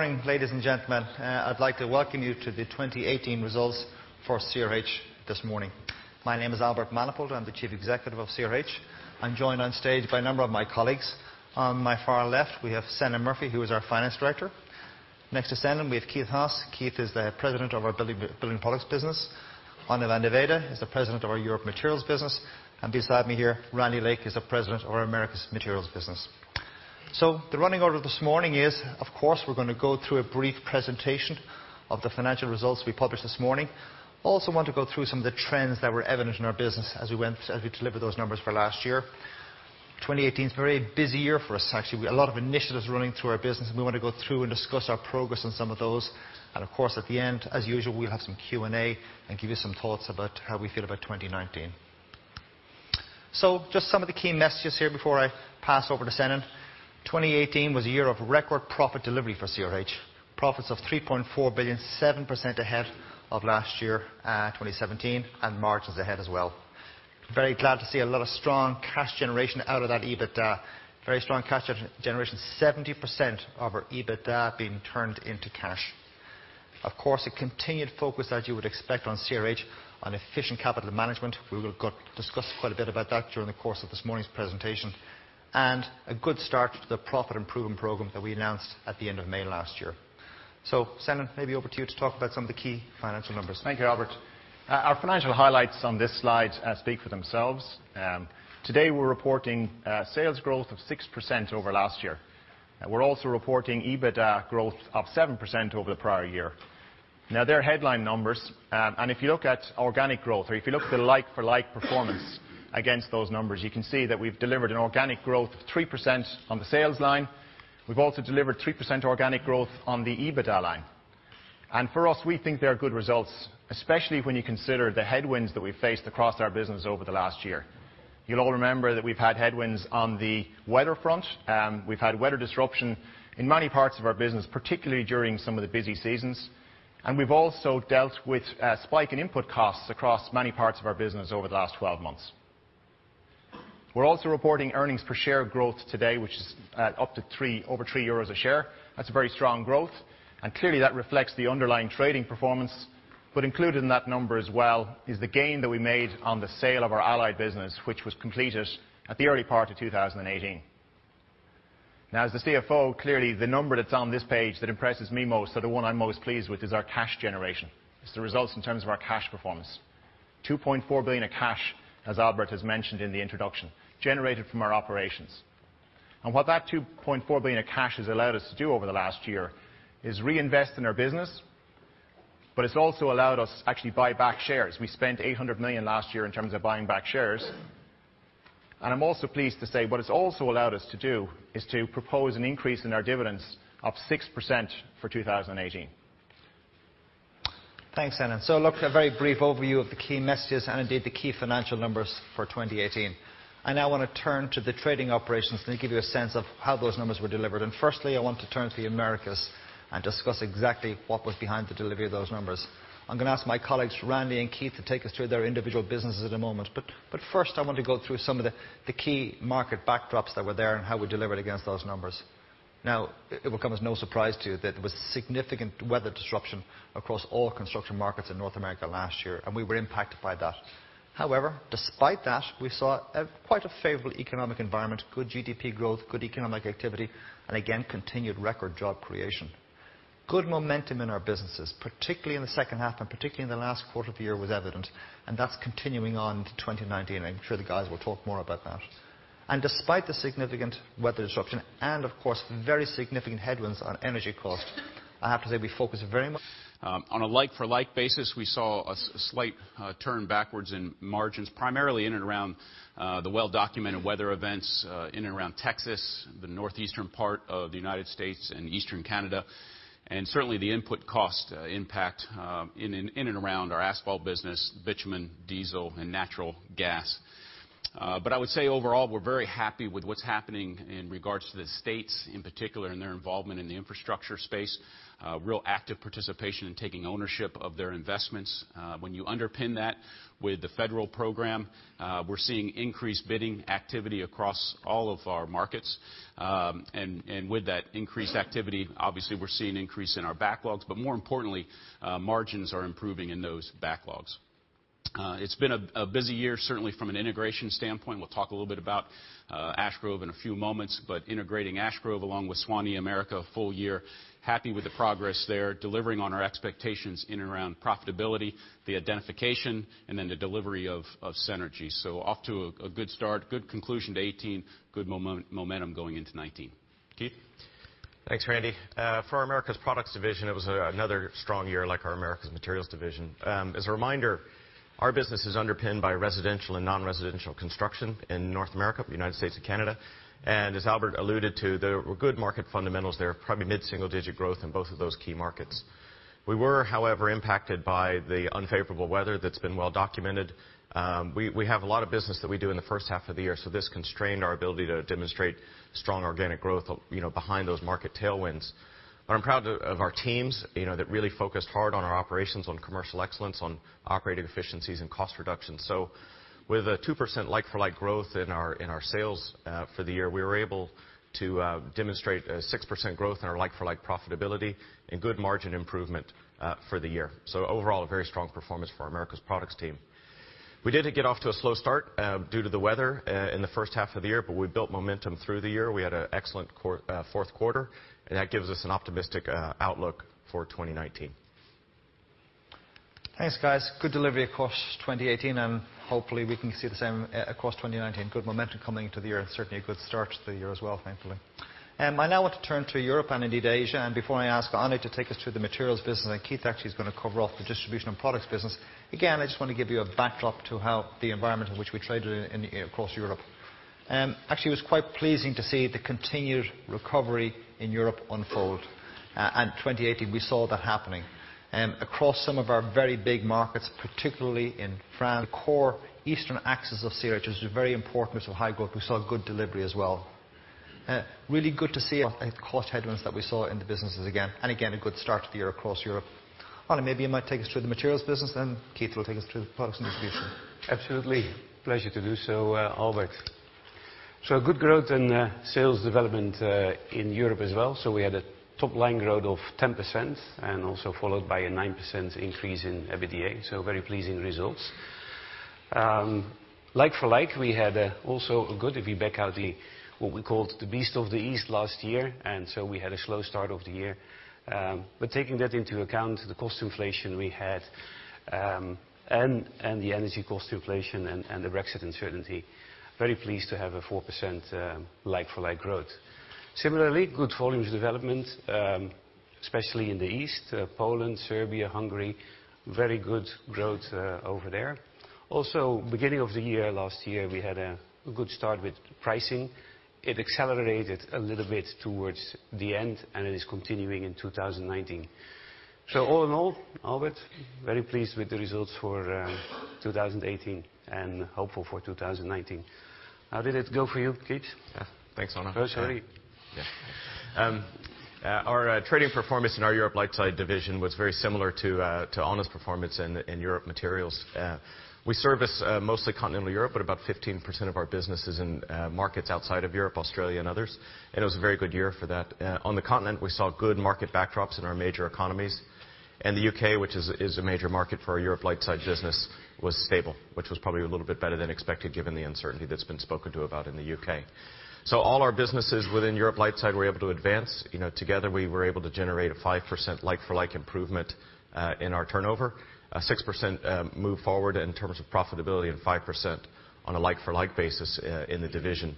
Good morning, ladies and gentlemen. I'd like to welcome you to the 2018 results for CRH this morning. My name is Albert Manifold. I'm the Chief Executive of CRH. I'm joined on stage by a number of my colleagues. On my far left, we have Senan Murphy, who is our Finance Director. Next to Senan, we have Keith Haas. Keith is the President of our Building Products business. Anne van de Veire is the President of our Europe Materials business. Beside me here, Randy Lake is the President of our Americas Materials business. The running order this morning is, of course, we're going to go through a brief presentation of the financial results we published this morning. Also want to go through some of the trends that were evident in our business as we delivered those numbers for last year. 2018's been a very busy year for us, actually. A lot of initiatives running through our business, we want to go through and discuss our progress on some of those. Of course, at the end, as usual, we'll have some Q&A and give you some thoughts about how we feel about 2019. Just some of the key messages here before I pass over to Senan. 2018 was a year of record profit delivery for CRH. Profits of 3.4 billion, 7% ahead of last year, 2017, margins ahead as well. Very glad to see a lot of strong cash generation out of that EBITDA. Very strong cash generation, 70% of our EBITDA being turned into cash. Of course, a continued focus as you would expect on CRH on efficient capital management. We will discuss quite a bit about that during the course of this morning's presentation, a good start to the profit improvement program that we announced at the end of May last year. Senan, maybe over to you to talk about some of the key financial numbers. Thank you, Albert. Our financial highlights on this slide speak for themselves. Today, we're reporting sales growth of 6% over last year. We're also reporting EBITDA growth of 7% over the prior year. They're headline numbers, if you look at organic growth or if you look at the like-for-like performance against those numbers, you can see that we've delivered an organic growth of 3% on the sales line. We've also delivered 3% organic growth on the EBITDA line. For us, we think they are good results, especially when you consider the headwinds that we've faced across our business over the last year. You'll all remember that we've had headwinds on the weather front. We've had weather disruption in many parts of our business, particularly during some of the busy seasons. We've also dealt with a spike in input costs across many parts of our business over the last 12 months. We're also reporting earnings per share growth today, which is up to over 3 euros a share. That's a very strong growth, and clearly that reflects the underlying trading performance. Included in that number as well is the gain that we made on the sale of our Allied business, which was completed at the early part of 2018. As the CFO, clearly the number that's on this page that impresses me most, or the one I'm most pleased with, is our cash generation. It's the results in terms of our cash performance. 2.4 billion of cash, as Albert has mentioned in the introduction, generated from our operations. What that 2.4 billion of cash has allowed us to do over the last year is reinvest in our business, but it's also allowed us to actually buy back shares. We spent 800 million last year in terms of buying back shares. I'm also pleased to say what it's also allowed us to do is to propose an increase in our dividends of 6% for 2018. Thanks, Senan. Look, a very brief overview of the key messages and indeed the key financial numbers for 2018. I now want to turn to the trading operations. Let me give you a sense of how those numbers were delivered. Firstly, I want to turn to the Americas and discuss exactly what was behind the delivery of those numbers. I'm going to ask my colleagues, Randy and Keith, to take us through their individual businesses in a moment. First, I want to go through some of the key market backdrops that were there and how we delivered against those numbers. It will come as no surprise to you that there was significant weather disruption across all construction markets in North America last year, and we were impacted by that. However, despite that, we saw quite a favorable economic environment, good GDP growth, good economic activity, and again, continued record job creation. Good momentum in our businesses, particularly in the second half and particularly in the last quarter of the year, was evident, and that's continuing on to 2019. I'm sure the guys will talk more about that. Despite the significant weather disruption and, of course, very significant headwinds on energy cost, I have to say we focused. On a like-for-like basis, we saw a slight turn backwards in margins, primarily in and around the well-documented weather events in and around Texas, the northeastern part of the U.S., and eastern Canada. Certainly, the input cost impact in and around our asphalt business, bitumen, diesel, and natural gas. I would say overall, we're very happy with what's happening in regards to the States in particular and their involvement in the infrastructure space. Real active participation in taking ownership of their investments. When you underpin that with the federal program, we're seeing increased bidding activity across all of our markets. With that increased activity, obviously we're seeing increase in our backlogs. More importantly, margins are improving in those backlogs. It's been a busy year, certainly from an integration standpoint. We'll talk a little bit about Ash Grove in a few moments. Integrating Ash Grove along with Suwannee American a full year, happy with the progress there, delivering on our expectations in and around profitability, the identification, and then the delivery of synergies. Off to a good start. Good conclusion to 2018. Good momentum going into 2019. Keith? Thanks, Randy. For our Americas Products division, it was another strong year, like our Americas Materials division. As a reminder, our business is underpinned by residential and non-residential construction in North America, the U.S., and Canada. As Albert alluded to, there were good market fundamentals there. Probably mid-single-digit growth in both of those key markets. We were, however, impacted by the unfavorable weather that's been well-documented. We have a lot of business that we do in the first half of the year, this constrained our ability to demonstrate strong organic growth behind those market tailwinds. I'm proud of our teams that really focused hard on our operations, on commercial excellence, on operating efficiencies and cost reduction. With a 2% like-for-like growth in our sales for the year, we were able to demonstrate a 6% growth in our like-for-like profitability and good margin improvement for the year. Overall, a very strong performance for our Americas Products team. We did get off to a slow start due to the weather in the first half of the year, we built momentum through the year. We had an excellent fourth quarter, that gives us an optimistic outlook for 2019. Thanks, guys. Good delivery across 2018. Hopefully we can see the same across 2019. Good momentum coming into the year. Certainly a good start to the year as well, thankfully. I now want to turn to Europe and indeed Asia. Before I ask Onne to take us through the materials business, Keith actually is going to cover off the distribution and products business. I just want to give you a backdrop to how the environment in which we traded across Europe. Actually, it was quite pleasing to see the continued recovery in Europe unfold. 2018, we saw that happening. Across some of our very big markets, particularly in France, the core eastern axis of CRH, which is very important with high growth, we saw good delivery as well. Really good to see headwinds that we saw in the businesses again. Again, a good start to the year across Europe. Onne, maybe you might take us through the materials business. Keith will take us through the products and distribution. Absolutely. Pleasure to do so, Albert. Good growth in sales development in Europe as well. We had a top-line growth of 10% and also followed by a 9% increase in EBITDA, very pleasing results. Like for like, we had also a good, if you back out the, what we called the Beast from the East last year, we had a slow start of the year. Taking that into account, the cost inflation we had, and the energy cost inflation and the Brexit uncertainty, very pleased to have a 4% like-for-like growth. Similarly, good volumes development, especially in the East, Poland, Serbia, Hungary, very good growth over there. Also, beginning of the year last year, we had a good start with pricing. It accelerated a little bit towards the end. It is continuing in 2019. All in all, Albert, very pleased with the results for 2018 and hopeful for 2019. How did it go for you, Keith? Yeah. Thanks, Onne. First, how are you? Yeah. Our trading performance in our Europe Lightside division was very similar to Onne's performance in Europe Materials. We service mostly continental Europe, but about 15% of our business is in markets outside of Europe, Australia and others, and it was a very good year for that. On the continent, we saw good market backdrops in our major economies. The U.K., which is a major market for our Europe Lightside business, was stable, which was probably a little bit better than expected given the uncertainty that's been spoken to about in the U.K. All our businesses within Europe Lightside were able to advance. Together we were able to generate a 5% like-for-like improvement in our turnover, a 6% move forward in terms of profitability, and 5% on a like-for-like basis in the division.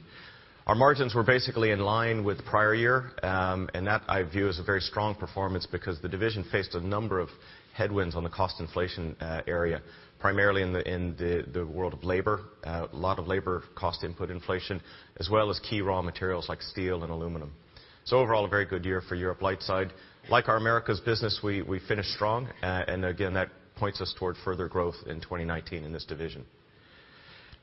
Our margins were basically in line with the prior year. That I view as a very strong performance because the division faced a number of headwinds on the cost inflation area, primarily in the world of labor. A lot of labor cost input inflation, as well as key raw materials like steel and aluminum. Overall, a very good year for Europe Lightside. Like our Americas business, we finished strong, and again, that points us toward further growth in 2019 in this division.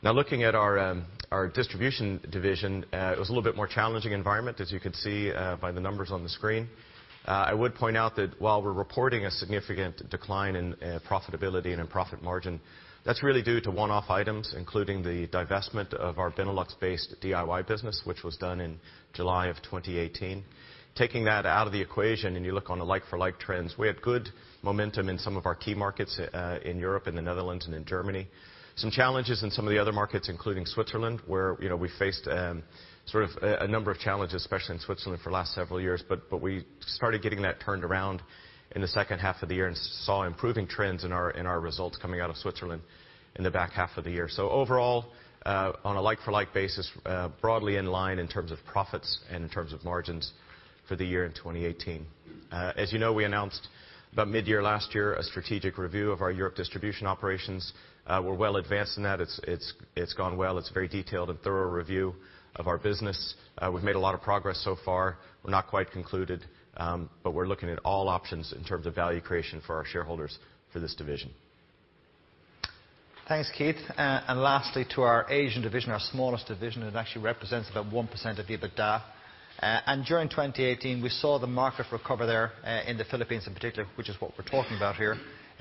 Looking at our Distribution division, it was a little bit more challenging environment, as you could see by the numbers on the screen. I would point out that while we're reporting a significant decline in profitability and in profit margin, that's really due to one-off items, including the divestment of our Benelux-based DIY business, which was done in July of 2018. Taking that out of the equation. You look on a like-for-like trends, we had good momentum in some of our key markets in Europe and the Netherlands and in Germany. Some challenges in some of the other markets, including Switzerland, where we faced sort of a number of challenges, especially in Switzerland for the last several years. We started getting that turned around in the second half of the year and saw improving trends in our results coming out of Switzerland in the back half of the year. Overall, on a like-for-like basis, broadly in line in terms of profits and in terms of margins for the year in 2018. As you know, we announced about mid-year last year a strategic review of our Europe Distribution operations. We're well advanced in that. It's gone well. It's a very detailed and thorough review of our business. We've made a lot of progress so far. We're not quite concluded. We're looking at all options in terms of value creation for our shareholders for this division. Thanks, Keith. Lastly, to our Asian division, our smallest division, it actually represents about 1% of the EBITDA. During 2018, we saw the market recover there in the Philippines in particular, which is what we're talking about here,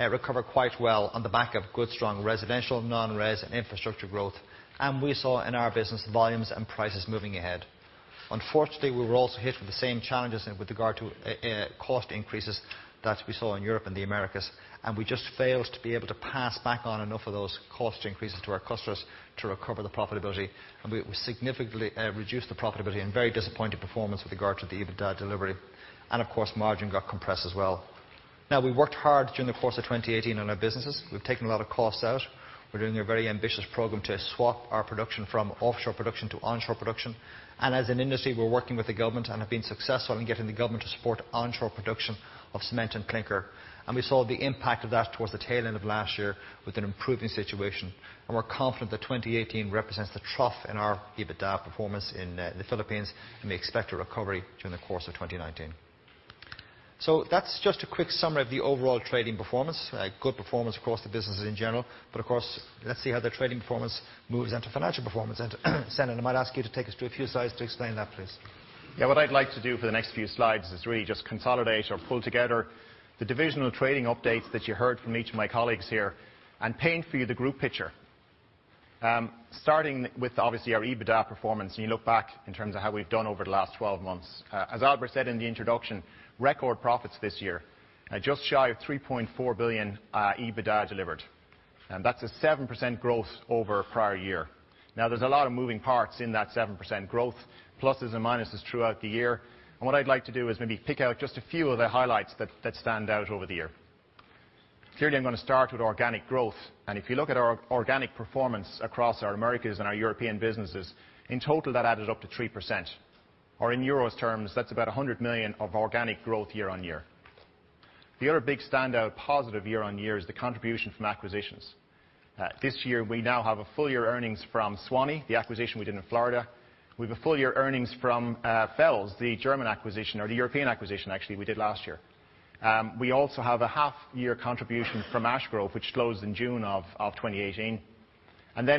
recover quite well on the back of good strong residential, non-res, and infrastructure growth. We saw in our business volumes and prices moving ahead. Unfortunately, we were also hit with the same challenges with regard to cost increases that we saw in Europe and the Americas, and we just failed to be able to pass back on enough of those cost increases to our customers to recover the profitability. We significantly reduced the profitability and very disappointed performance with regard to the EBITDA delivery. Of course, margin got compressed as well. We worked hard during the course of 2018 in our businesses. We've taken a lot of costs out. We're doing a very ambitious program to swap our production from offshore production to onshore production. As an industry, we're working with the government and have been successful in getting the government to support onshore production of cement and clinker. We saw the impact of that towards the tail end of last year with an improving situation. We're confident that 2018 represents the trough in our EBITDA performance in the Philippines, and we expect a recovery during the course of 2019. That's just a quick summary of the overall trading performance. A good performance across the businesses in general. Of course, let's see how the trading performance moves into financial performance. Senan, I might ask you to take us through a few slides to explain that, please. What I'd like to do for the next few slides is really just consolidate or pull together the divisional trading updates that you heard from each of my colleagues here and paint for you the group picture. Starting with obviously our EBITDA performance, and you look back in terms of how we've done over the last 12 months. As Albert said in the introduction, record profits this year, at just shy of 3.4 billion EBITDA delivered. That's a 7% growth over prior year. There's a lot of moving parts in that 7% growth, pluses and minuses throughout the year. What I'd like to do is maybe pick out just a few of the highlights that stand out over the year. Clearly, I'm going to start with organic growth. If you look at our organic performance across our Americas and our European businesses, in total, that added up to 3%. In EUR terms, that's about 100 million of organic growth year-on-year. The other big standout positive year-on-year is the contribution from acquisitions. This year we now have a full year earnings from Suwannee, the acquisition we did in Florida. We have a full year earnings from Fels, the German acquisition or the European acquisition actually we did last year. We also have a half year contribution from Ash Grove, which closed in June of 2018.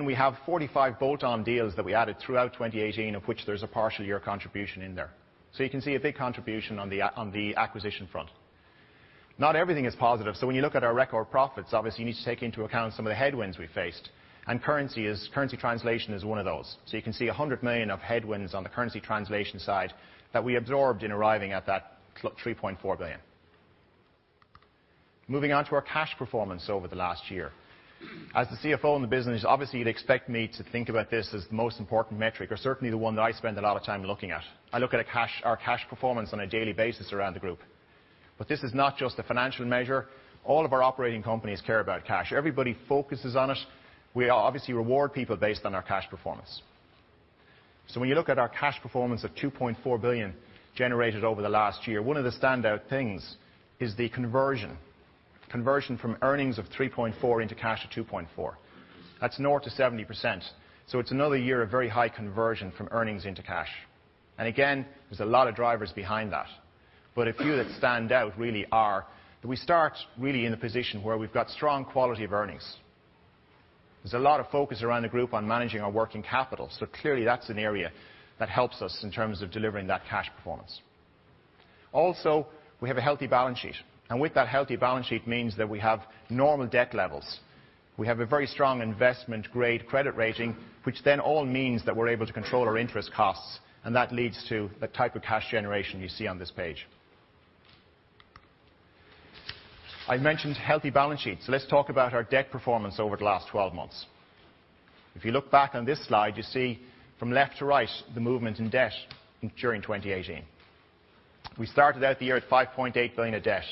We have 45 bolt-on deals that we added throughout 2018, of which there's a partial year contribution in there. You can see a big contribution on the acquisition front. Not everything is positive. When you look at our record profits, obviously, you need to take into account some of the headwinds we faced, and currency translation is one of those. You can see 100 million of headwinds on the currency translation side that we absorbed in arriving at that 3.4 billion. Moving on to our cash performance over the last year. As the CFO in the business, obviously, you'd expect me to think about this as the most important metric, or certainly the one that I spend a lot of time looking at. I look at our cash performance on a daily basis around the group. This is not just a financial measure. All of our operating companies care about cash. Everybody focuses on it. We obviously reward people based on our cash performance. When you look at our cash performance of 2.4 billion generated over the last year, one of the standout things is the conversion. Conversion from earnings of 3.4 into cash of 2.4. That's north of 70%. It's another year of very high conversion from earnings into cash. Again, there's a lot of drivers behind that, but a few that stand out really are that we start really in the position where we've got strong quality of earnings. There's a lot of focus around the group on managing our working capital, so clearly, that's an area that helps us in terms of delivering that cash performance. Also, we have a healthy balance sheet, and with that healthy balance sheet means that we have normal debt levels. We have a very strong investment-grade credit rating, which then all means that we're able to control our interest costs, and that leads to the type of cash generation you see on this page. I mentioned healthy balance sheets. Let's talk about our debt performance over the last 12 months. If you look back on this slide, you see from left to right the movement in debt during 2018. We started out the year at 5.8 billion of debt.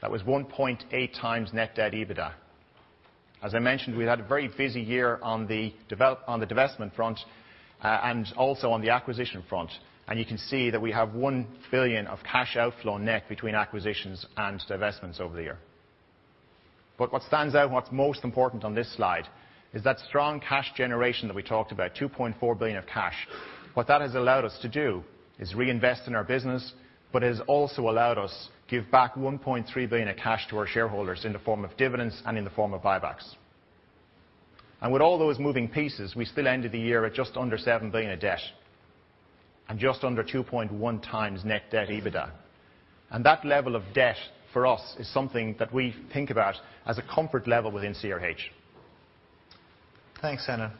That was 1.8 times Net Debt EBITDA. As I mentioned, we had a very busy year on the divestment front and also on the acquisition front, and you can see that we have 1 billion of cash outflow net between acquisitions and divestments over the year. What stands out and what's most important on this slide is that strong cash generation that we talked about, 2.4 billion of cash. What that has allowed us to do is reinvest in our business, but it has also allowed us give back 1.3 billion of cash to our shareholders in the form of dividends and in the form of buybacks. With all those moving pieces, we still ended the year at just under 7 billion of debt and just under 2.1 times Net Debt EBITDA. That level of debt, for us, is something that we think about as a comfort level within CRH. Thanks, Eanna.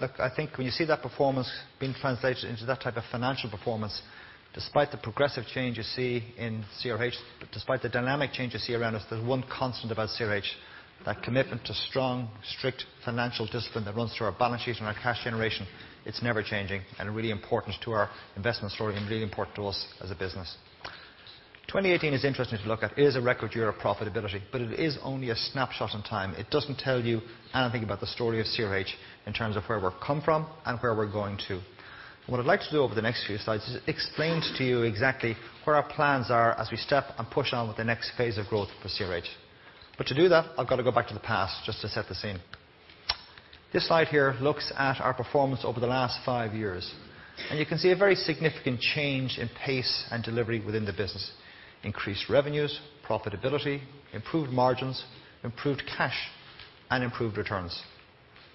Look, I think when you see that performance being translated into that type of financial performance, despite the progressive change you see in CRH, despite the dynamic change you see around us, there's one constant about CRH, that commitment to strong, strict financial discipline that runs through our balance sheet and our cash generation. It's never changing and really important to our investment story and really important to us as a business. 2018 is interesting to look at. It is a record year of profitability, but it is only a snapshot in time. It doesn't tell you anything about the story of CRH in terms of where we've come from and where we're going to. What I'd like to do over the next few slides is explain to you exactly where our plans are as we step and push on with the next phase of growth for CRH. To do that, I've got to go back to the past just to set the scene. This slide here looks at our performance over the last five years, you can see a very significant change in pace and delivery within the business. Increased revenues, profitability, improved margins, improved cash, and improved returns.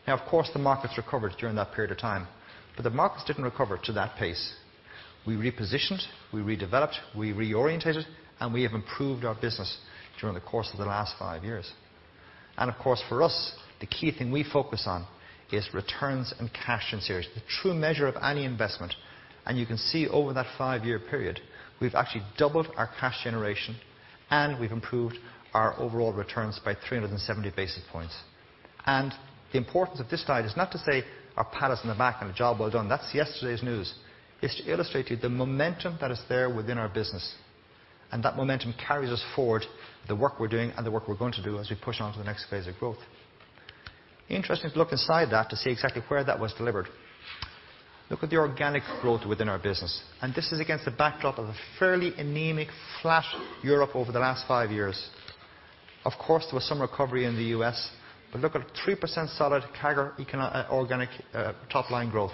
Of course, the markets recovered during that period of time, but the markets didn't recover to that pace. We repositioned, we redeveloped, we reorientated, and we have improved our business during the course of the last five years. Of course, for us, the key thing we focus on is returns and cash in CRH, the true measure of any investment. You can see over that five-year period, we've actually doubled our cash generation, and we've improved our overall returns by 370 basis points. The importance of this slide is not to say, "pat us on the back and a job well done." That's yesterday's news. It's to illustrate to you the momentum that is there within our business, that momentum carries us forward, the work we're doing and the work we're going to do as we push on to the next phase of growth. Interesting to look inside that to see exactly where that was delivered. Look at the organic growth within our business. This is against the backdrop of a fairly anemic, flat Europe over the last five years. Of course, there was some recovery in the U.S., but look at 3% solid CAGR organic top-line growth.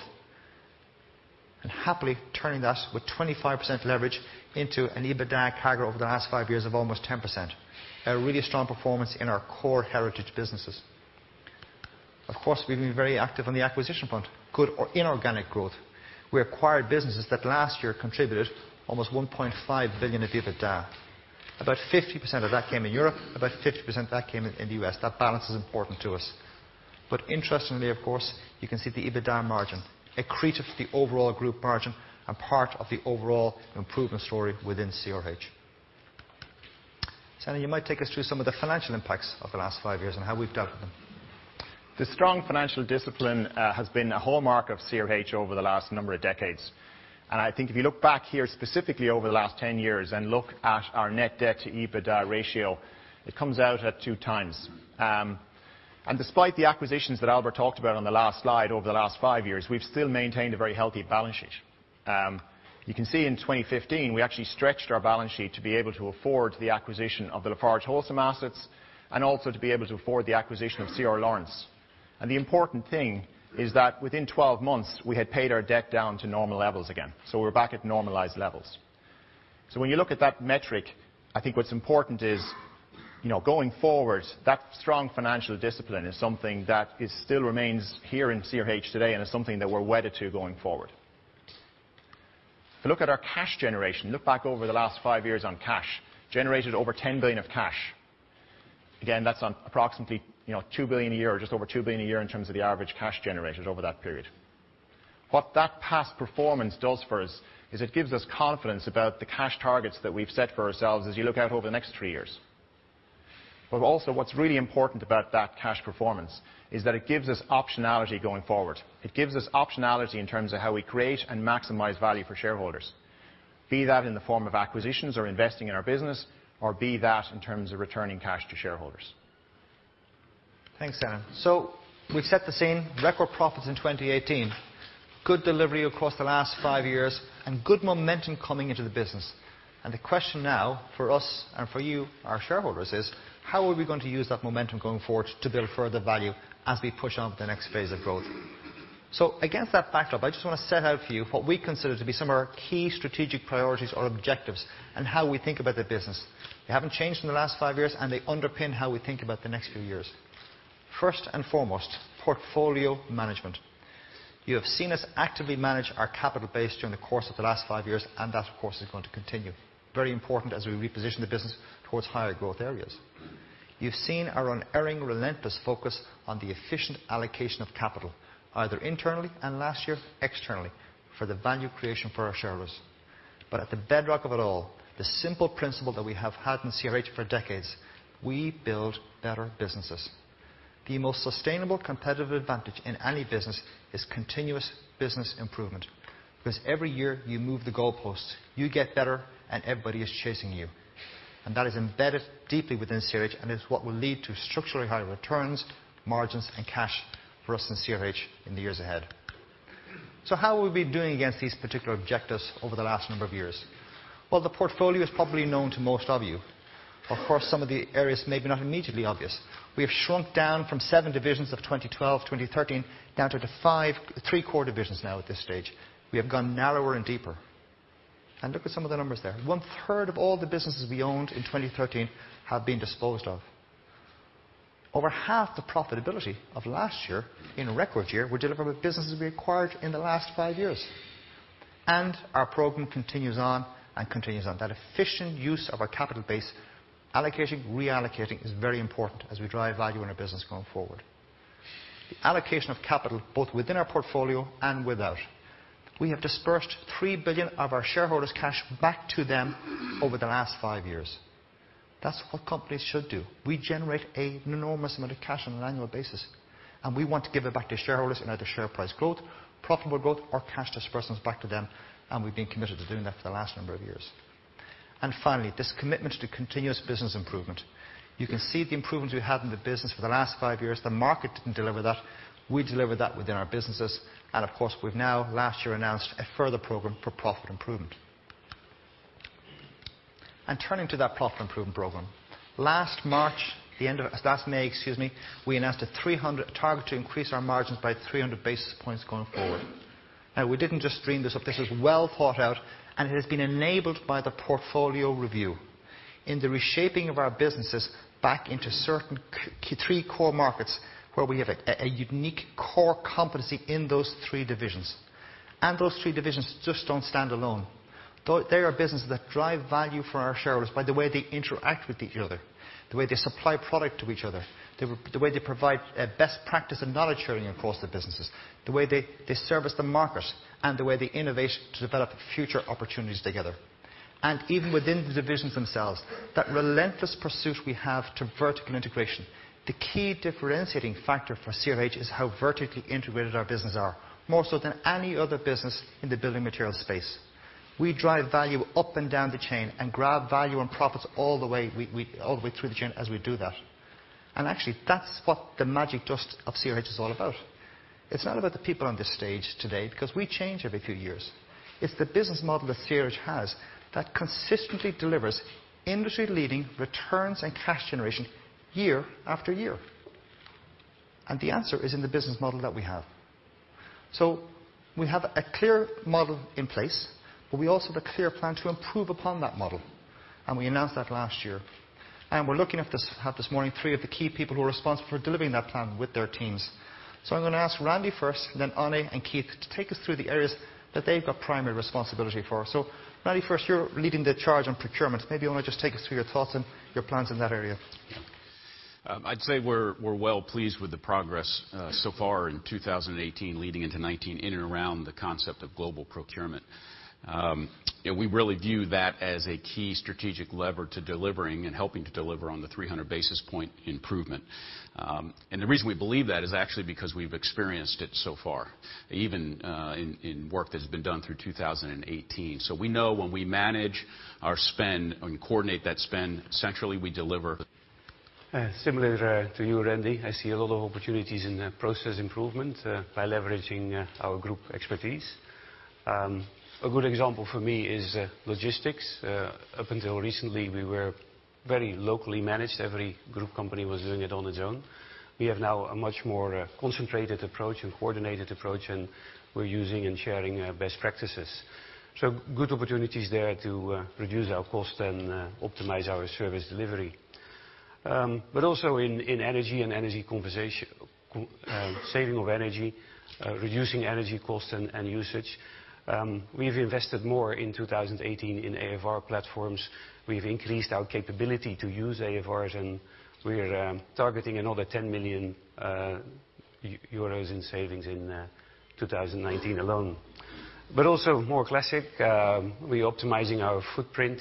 Happily turning that with 25% leverage into an EBITDA CAGR over the last five years of almost 10%. A really strong performance in our core heritage businesses. Of course, we've been very active on the acquisition front. Good or inorganic growth. We acquired businesses that last year contributed almost 1.5 billion of EBITDA. About 50% of that came in Europe, about 50% of that came in the U.S. That balance is important to us. Interestingly, of course, you can see the EBITDA margin, accretive to the overall group margin and part of the overall improvement story within CRH. Eanna, you might take us through some of the financial impacts of the last five years and how we've dealt with them. The strong financial discipline has been a hallmark of CRH over the last number of decades. I think if you look back here specifically over the last 10 years and look at our Net Debt/EBITDA ratio, it comes out at two times. Despite the acquisitions that Albert talked about on the last slide over the last five years, we've still maintained a very healthy balance sheet. You can see in 2015, we actually stretched our balance sheet to be able to afford the acquisition of the LafargeHolcim assets and also to be able to afford the acquisition of C.R. Laurence. The important thing is that within 12 months, we had paid our debt down to normal levels again, so we're back at normalized levels. When you look at that metric, I think what's important is going forward, that strong financial discipline is something that still remains here in CRH today and is something that we're wedded to going forward. If you look at our cash generation, look back over the last five years on cash, generated over 10 billion of cash. Again, that's on approximately 2 billion a year, or just over 2 billion a year in terms of the average cash generated over that period. What that past performance does for us is it gives us confidence about the cash targets that we've set for ourselves as you look out over the next three years. Also what's really important about that cash performance is that it gives us optionality going forward. It gives us optionality in terms of how we create and maximize value for shareholders, be that in the form of acquisitions or investing in our business, or be that in terms of returning cash to shareholders. Thanks, Alan. We've set the scene. Record profits in 2018, good delivery across the last five years, and good momentum coming into the business. The question now for us and for you, our shareholders, is how are we going to use that momentum going forward to build further value as we push on to the next phase of growth? Against that backdrop, I just want to set out for you what we consider to be some of our key strategic priorities or objectives, and how we think about the business. They haven't changed in the last five years, and they underpin how we think about the next few years. First and foremost, portfolio management. You have seen us actively manage our capital base during the course of the last five years, and that, of course, is going to continue. Very important as we reposition the business towards higher growth areas. You've seen our unerring, relentless focus on the efficient allocation of capital, either internally and, last year, externally, for the value creation for our shareholders. At the bedrock of it all, the simple principle that we have had in CRH for decades, we build better businesses. The most sustainable competitive advantage in any business is continuous business improvement. Because every year, you move the goalposts. You get better, and everybody is chasing you. That is embedded deeply within CRH, and it's what will lead to structurally higher returns, margins, and cash for us in CRH in the years ahead. How have we been doing against these particular objectives over the last number of years? Well, the portfolio is probably known to most of you. Of course, some of the areas may be not immediately obvious. We have shrunk down from seven divisions of 2012, 2013, down to the five, three core divisions now at this stage. We have gone narrower and deeper. Look at some of the numbers there. One-third of all the businesses we owned in 2013 have been disposed of. Over half the profitability of last year, in a record year, were delivered with businesses we acquired in the last five years. Our program continues on and continues on. That efficient use of our capital base, allocating, reallocating is very important as we drive value in our business going forward. The allocation of capital, both within our portfolio and without. We have disbursed 3 billion of our shareholders' cash back to them over the last five years. That's what companies should do. We generate an enormous amount of cash on an annual basis, and we want to give it back to shareholders in either share price growth, profitable growth, or cash disbursements back to them, and we've been committed to doing that for the last number of years. Finally, this commitment to continuous business improvement. You can see the improvements we had in the business for the last five years. The market didn't deliver that. We delivered that within our businesses. Of course, we've now last year announced a further program for profit improvement. Turning to that profit improvement program. Last March, the end of last May, excuse me, we announced a target to increase our margins by 300 basis points going forward. We didn't just dream this up. This is well thought out, and it has been enabled by the portfolio review in the reshaping of our businesses back into certain three core markets where we have a unique core competency in those three divisions. Those three divisions just don't stand alone. They are businesses that drive value for our shareholders by the way they interact with each other, the way they supply product to each other, the way they provide best practice and knowledge sharing across the businesses, the way they service the market, and the way they innovate to develop future opportunities together. Even within the divisions themselves, that relentless pursuit we have to vertical integration. The key differentiating factor for CRH is how vertically integrated our business are, more so than any other business in the building materials space. We drive value up and down the chain and grab value and profits all the way through the chain as we do that. Actually, that's what the magic dust of CRH is all about. It's not about the people on this stage today, because we change every few years. It's the business model that CRH has that consistently delivers industry-leading returns and cash generation year after year. The answer is in the business model that we have. We have a clear model in place, but we also have a clear plan to improve upon that model, and we announced that last year. We're looking at this, have this morning three of the key people who are responsible for delivering that plan with their teams. I'm going to ask Randy first, and then Arne and Keith Haas, to take us through the areas that they've got primary responsibility for. Randy, first, you're leading the charge on procurement. Maybe you want to just take us through your thoughts and your plans in that area. I'd say we're well pleased with the progress so far in 2018 leading into 2019 in and around the concept of global procurement. We really view that as a key strategic lever to delivering and helping to deliver on the 300 basis point improvement. The reason we believe that is actually because we've experienced it so far, even in work that's been done through 2018. We know when we manage our spend and coordinate that spend centrally, we deliver. Similar to you, Randy, I see a lot of opportunities in process improvement by leveraging our group expertise. A good example for me is logistics. Up until recently, we were very locally managed. Every group company was doing it on its own. We have now a much more concentrated approach and coordinated approach, and we're using and sharing best practices. Good opportunities there to reduce our cost and optimize our service delivery. Also in energy and saving of energy, reducing energy cost and usage. We've invested more in 2018 in AFR platforms. We've increased our capability to use AFRs, and we're targeting another 10 million euros in savings in 2019 alone. Also more classic, we're optimizing our footprint.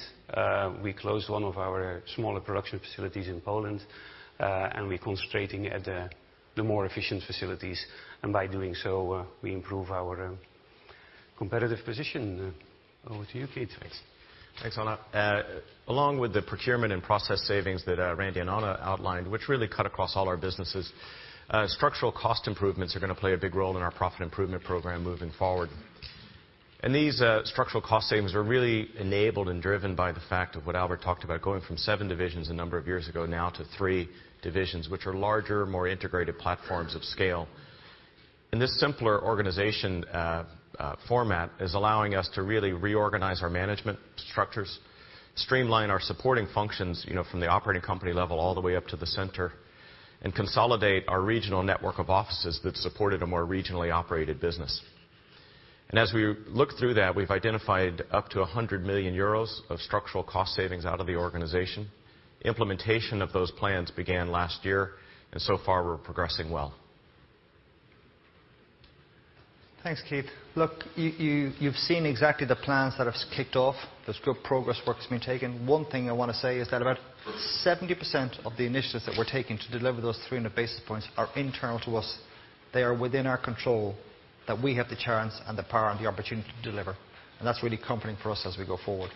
We closed one of our smaller production facilities in Poland, and we're concentrating at the more efficient facilities. By doing so, we improve our competitive position. Over to you, Keith Haas. Thanks. Thanks, Anne. Along with the procurement and process savings that Randy and Anne outlined, which really cut across all our businesses, structural cost improvements are going to play a big role in our Profit Improvement Program moving forward. These structural cost savings are really enabled and driven by the fact of what Albert talked about, going from 7 divisions a number of years ago now to 3 divisions, which are larger, more integrated platforms of scale. This simpler organization format is allowing us to really reorganize our management structures, streamline our supporting functions, from the operating company level all the way up to the center, and consolidate our regional network of offices that supported a more regionally operated business. As we look through that, we've identified up to 100 million euros of structural cost savings out of the organization. Implementation of those plans began last year, and so far we're progressing well. Thanks, Keith. Look, you've seen exactly the plans that have kicked off. There's good progress work that's been taken. One thing I want to say is that about 70% of the initiatives that we're taking to deliver those 300 basis points are internal to us. They are within our control, that we have the chance and the power and the opportunity to deliver. That's really comforting for us as we go forward.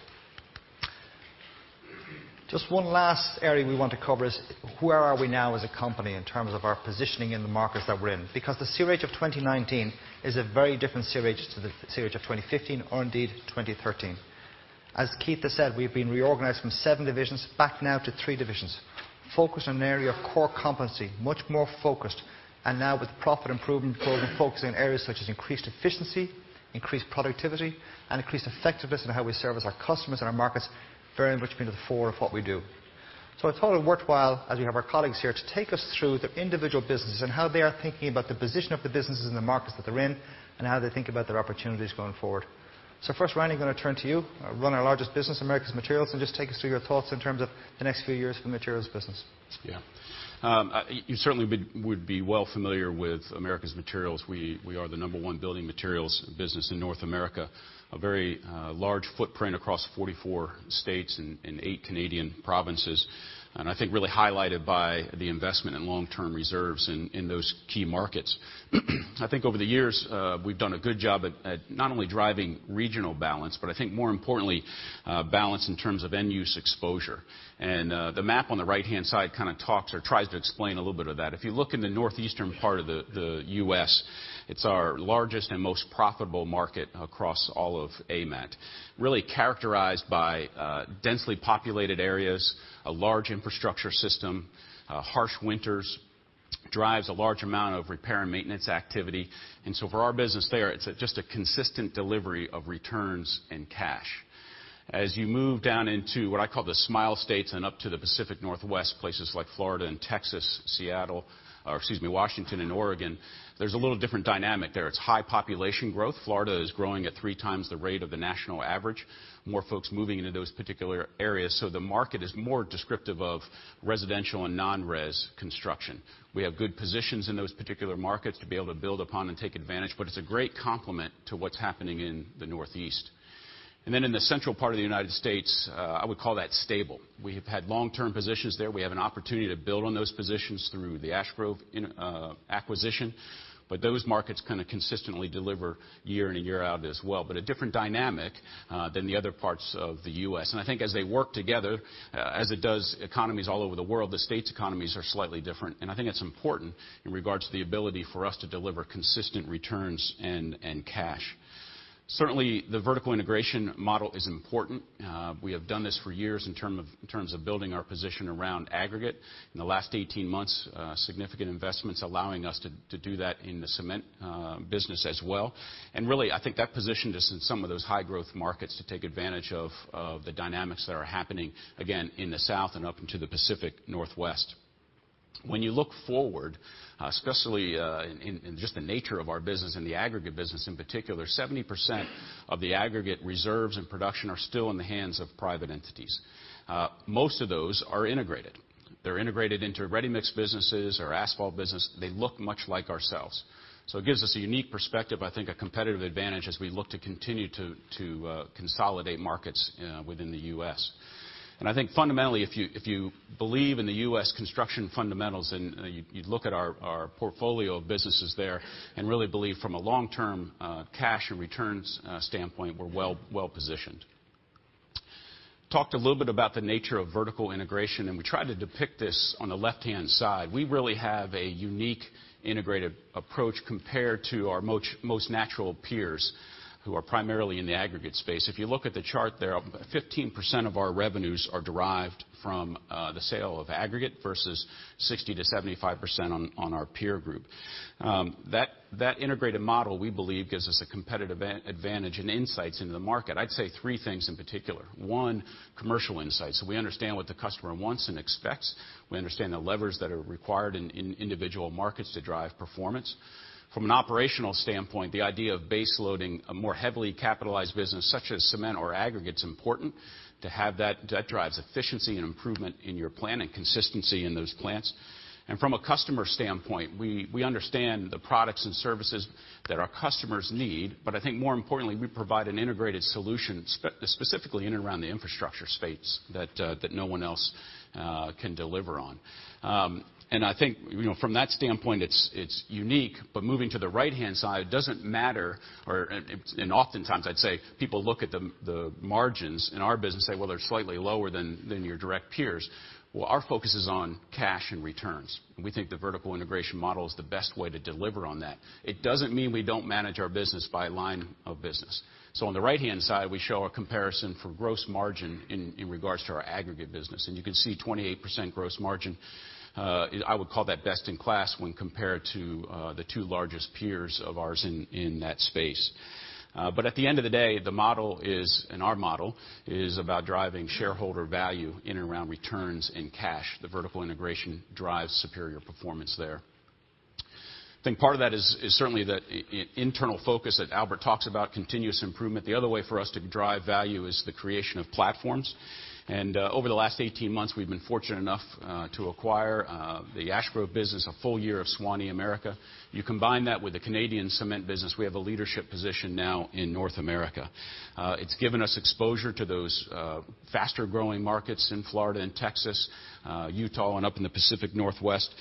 Just one last area we want to cover is where are we now as a company in terms of our positioning in the markets that we're in? Because the CRH of 2019 is a very different CRH to the CRH of 2015 or indeed 2013. As Keith has said, we've been reorganized from 7 divisions back now to 3 divisions. Focused on an area of core competency, much more focused, and now with Profit Improvement Program focusing in areas such as increased efficiency, increased productivity, and increased effectiveness in how we service our customers and our markets, very much been at the fore of what we do. I thought it worthwhile, as we have our colleagues here, to take us through their individual businesses and how they are thinking about the position of the businesses in the markets that they're in, and how they think about their opportunities going forward. First, Randy, I'm going to turn to you. Run our largest business, Americas Materials, and just take us through your thoughts in terms of the next few years for the materials business. Yeah. You certainly would be well familiar with Americas Materials. We are the number one building materials business in North America. A very large footprint across 44 states and eight Canadian provinces. I think really highlighted by the investment in long-term reserves in those key markets. I think over the years, we've done a good job at not only driving regional balance, but I think more importantly, balance in terms of end-use exposure. The map on the right-hand side kind of talks or tries to explain a little bit of that. If you look in the northeastern part of the U.S., it's our largest and most profitable market across all of AMet, really characterized by densely populated areas, a large infrastructure system. Harsh winters drives a large amount of repair and maintenance activity. For our business there, it's just a consistent delivery of returns and cash. As you move down into what I call the smile states and up to the Pacific Northwest, places like Florida and Texas, Washington, and Oregon, there's a little different dynamic there. It's high population growth. Florida is growing at three times the rate of the national average. More folks moving into those particular areas. The market is more descriptive of residential and non-res construction. We have good positions in those particular markets to be able to build upon and take advantage, but it's a great complement to what's happening in the Northeast. In the central part of the United States, I would call that stable. We have had long-term positions there. We have an opportunity to build on those positions through the Ash Grove acquisition. Those markets kind of consistently deliver year in and year out as well. A different dynamic than the other parts of the U.S. I think as they work together, as it does economies all over the world, the states' economies are slightly different. I think it's important in regards to the ability for us to deliver consistent returns and cash. Certainly, the vertical integration model is important. We have done this for years in terms of building our position around aggregate. In the last 18 months, significant investments allowing us to do that in the cement business as well. Really, I think that positioned us in some of those high-growth markets to take advantage of the dynamics that are happening, again, in the South and up into the Pacific Northwest. When you look forward, especially in just the nature of our business and the aggregate business in particular, 70% of the aggregate reserves and production are still in the hands of private entities. Most of those are integrated. They're integrated into ready-mix businesses or asphalt business. They look much like ourselves. It gives us a unique perspective, I think a competitive advantage as we look to continue to consolidate markets within the U.S. I think fundamentally, if you believe in the U.S. construction fundamentals and you look at our portfolio of businesses there and really believe from a long-term cash and returns standpoint, we're well positioned. We talked a little bit about the nature of vertical integration, and we tried to depict this on the left-hand side. We really have a unique integrated approach compared to our most natural peers, who are primarily in the aggregate space. If you look at the chart there, 15% of our revenues are derived from the sale of aggregate versus 60%-75% on our peer group. That integrated model, we believe, gives us a competitive advantage and insights into the market. I'd say three things in particular. One, commercial insights. We understand what the customer wants and expects. We understand the levers that are required in individual markets to drive performance. From an operational standpoint, the idea of base loading a more heavily capitalized business, such as cement or aggregate, is important to have that. That drives efficiency and improvement in your plan and consistency in those plants. From a customer standpoint, we understand the products and services that our customers need. I think more importantly, we provide an integrated solution, specifically in and around the infrastructure space, that no one else can deliver on. I think from that standpoint, it's unique, moving to the right-hand side, it doesn't matter. Oftentimes, I'd say people look at the margins in our business, say, "Well, they're slightly lower than your direct peers." Well, our focus is on cash and returns. We think the vertical integration model is the best way to deliver on that. It doesn't mean we don't manage our business by line of business. On the right-hand side, we show a comparison for gross margin in regards to our aggregate business. You can see 28% gross margin. I would call that best in class when compared to the two largest peers of ours in that space. At the end of the day, our model is about driving shareholder value in and around returns in cash. The vertical integration drives superior performance there. I think part of that is certainly the internal focus that Albert talks about, continuous improvement. The other way for us to drive value is the creation of platforms. Over the last 18 months, we've been fortunate enough to acquire the Ash Grove business, a full year of Suwannee American. You combine that with the Canadian Cement business, we have a leadership position now in North America. It's given us exposure to those faster-growing markets in Florida and Texas, Utah, and up in the Pacific Northwest.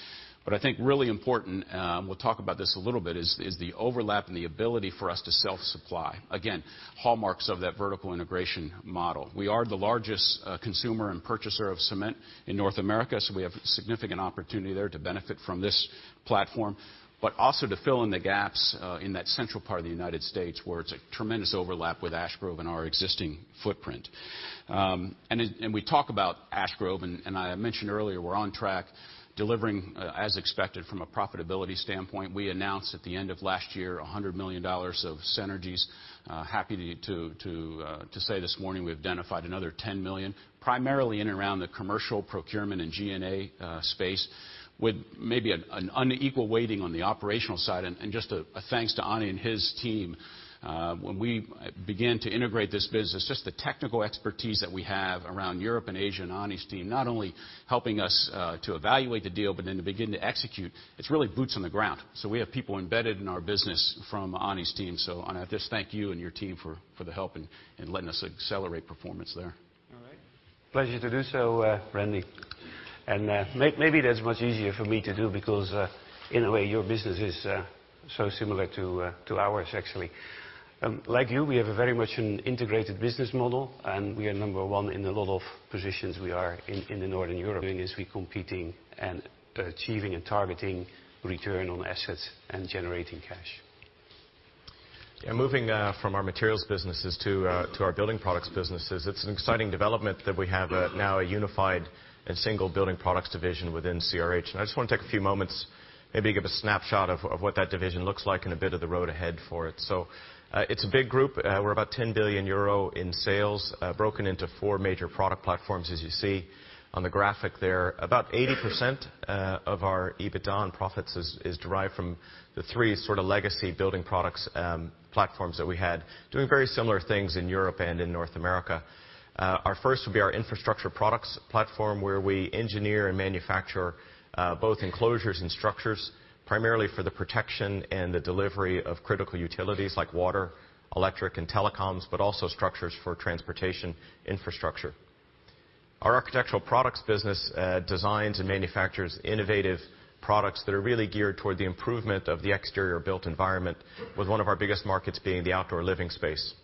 I think really important, we'll talk about this a little bit, is the overlap and the ability for us to self-supply. Again, hallmarks of that vertical integration model. We are the largest consumer and purchaser of cement in North America, we have a significant opportunity there to benefit from this platform, but also to fill in the gaps in that central part of the United States, where it's a tremendous overlap with Ash Grove and our existing footprint. We talk about Ash Grove, I mentioned earlier we're on track delivering as expected from a profitability standpoint. We announced at the end of last year $100 million of synergies. Happy to say this morning we've identified another $10 million, primarily in and around the commercial procurement and G&A space, with maybe an unequal weighting on the operational side. Just a thanks to Ani and his team. When we began to integrate this business, just the technical expertise that we have around Europe and Asia and Ani's team, not only helping us to evaluate the deal, then to begin to execute. It's really boots on the ground. We have people embedded in our business from Ani's team. Ani, I just thank you and your team for the help and letting us accelerate performance there. All right. Pleasure to do so, Randy. Maybe that's much easier for me to do because, in a way, your business is so similar to ours, actually. Like you, we have a very much an integrated business model. We are number one in a lot of positions we are in the Northern Europe. As we competing and achieving and targeting return on assets and generating cash. Moving from our materials businesses to our Building Products businesses, it's an exciting development that we have now a unified and single Building Products division within CRH. I just want to take a few moments, maybe give a snapshot of what that division looks like and a bit of the road ahead for it. It's a big group. We're about 10 billion euro in sales, broken into four major product platforms, as you see on the graphic there. About 80% of our EBITDA and profits is derived from the three legacy Building Products platforms that we had, doing very similar things in Europe and in North America. Our first would be our infrastructure products platform, where we engineer and manufacture both enclosures and structures, primarily for the protection and the delivery of critical utilities like water, electric, and telecoms, but also structures for transportation infrastructure. Our architectural products business designs and manufactures innovative products that are really geared toward the improvement of the exterior built environment, with one of our biggest markets being the outdoor living space.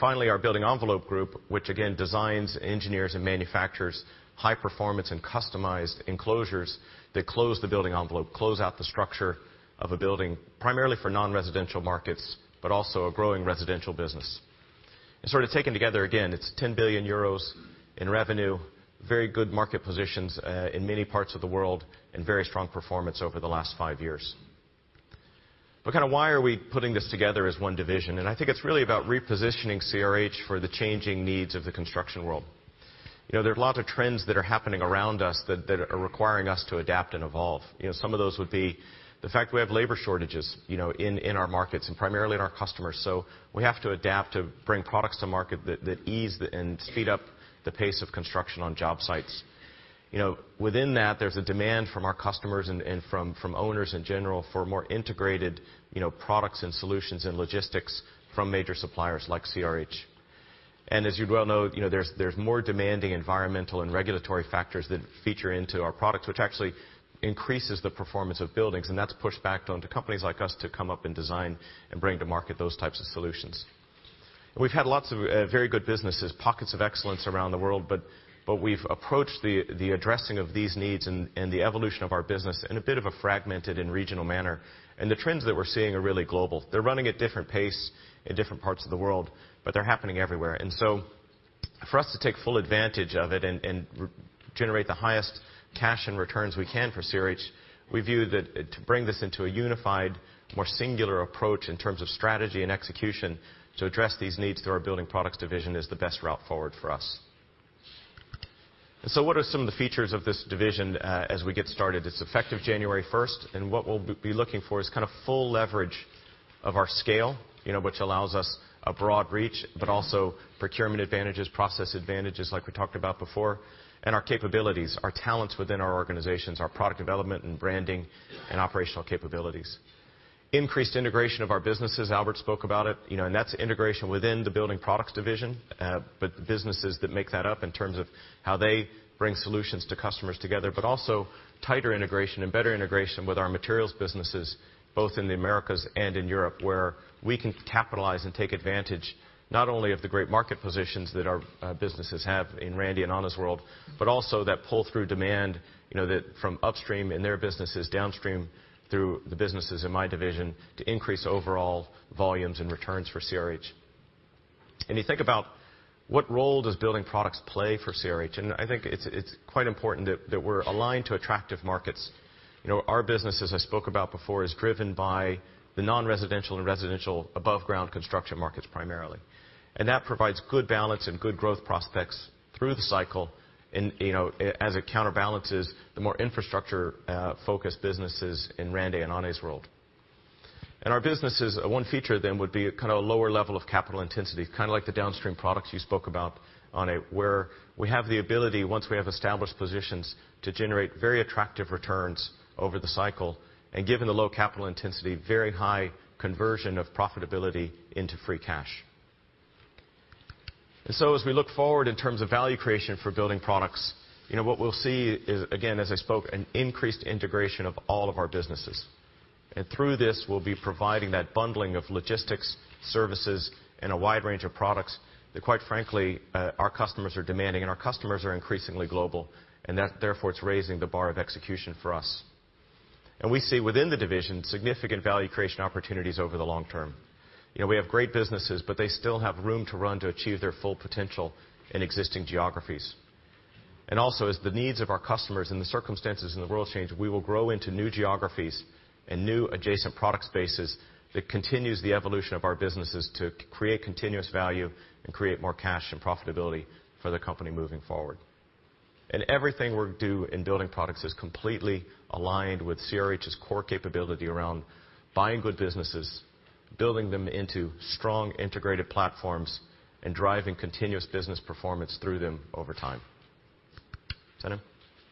Finally, our building envelope group, which again designs, engineers, and manufactures high performance and customized enclosures that close the building envelope, close out the structure of a building, primarily for non-residential markets, but also a growing residential business. Taken together, again, it's 10 billion euros in revenue, very good market positions in many parts of the world, and very strong performance over the last five years. Why are we putting this together as one division? I think it's really about repositioning CRH for the changing needs of the construction world. There are lots of trends that are happening around us that are requiring us to adapt and evolve. Some of those would be the fact we have labor shortages in our markets and primarily in our customers. We have to adapt to bring products to market that ease and speed up the pace of construction on job sites. Within that, there's a demand from our customers and from owners in general for more integrated products and solutions and logistics from major suppliers like CRH. As you well know, there's more demanding environmental and regulatory factors that feature into our products, which actually increases the performance of buildings, and that's pushed back onto companies like us to come up and design and bring to market those types of solutions. We've had lots of very good businesses, pockets of excellence around the world, but we've approached the addressing of these needs and the evolution of our business in a bit of a fragmented and regional manner. The trends that we're seeing are really global. They're running at different pace in different parts of the world, but they're happening everywhere. For us to take full advantage of it and generate the highest cash and returns we can for CRH, we view that to bring this into a unified, more singular approach in terms of strategy and execution to address these needs through our Building Products division is the best route forward for us. What are some of the features of this division as we get started? It's effective January 1st. What we'll be looking for is full leverage of our scale, which allows us a broad reach, but also procurement advantages, process advantages like we talked about before, and our capabilities, our talents within our organizations, our product development and branding and operational capabilities. Increased integration of our businesses, Albert spoke about it. That's integration within the Building Products division, but the businesses that make that up in terms of how they bring solutions to customers together. Also tighter integration and better integration with our materials businesses, both in the Americas and in Europe, where we can capitalize and take advantage not only of the great market positions that our businesses have in Randy and Anne's world, but also that pull-through demand from upstream in their businesses, downstream through the businesses in my division to increase overall volumes and returns for CRH. You think about what role does Building Products play for CRH? I think it's quite important that we're aligned to attractive markets. Our business, as I spoke about before, is driven by the non-residential and residential above-ground construction markets primarily. That provides good balance and good growth prospects through the cycle as it counterbalances the more infrastructure-focused businesses in Randy and Anne's world. Our businesses, one feature then would be a lower level of capital intensity, like the downstream products you spoke about, Anne, where we have the ability, once we have established positions, to generate very attractive returns over the cycle. Given the low capital intensity, very high conversion of profitability into free cash. As we look forward in terms of value creation for Building Products, what we'll see is, again, as I spoke, an increased integration of all of our businesses. Through this, we'll be providing that bundling of logistics, services, and a wide range of products that quite frankly, our customers are demanding, and our customers are increasingly global, and therefore it's raising the bar of execution for us. We see within the division significant value creation opportunities over the long term. We have great businesses, but they still have room to run to achieve their full potential in existing geographies. Also, as the needs of our customers and the circumstances in the world change, we will grow into new geographies and new adjacent product spaces that continues the evolution of our businesses to create continuous value and create more cash and profitability for the company moving forward. Everything we do in Building Products is completely aligned with CRH's core capability around buying good businesses, building them into strong integrated platforms, and driving continuous business performance through them over time. Senan?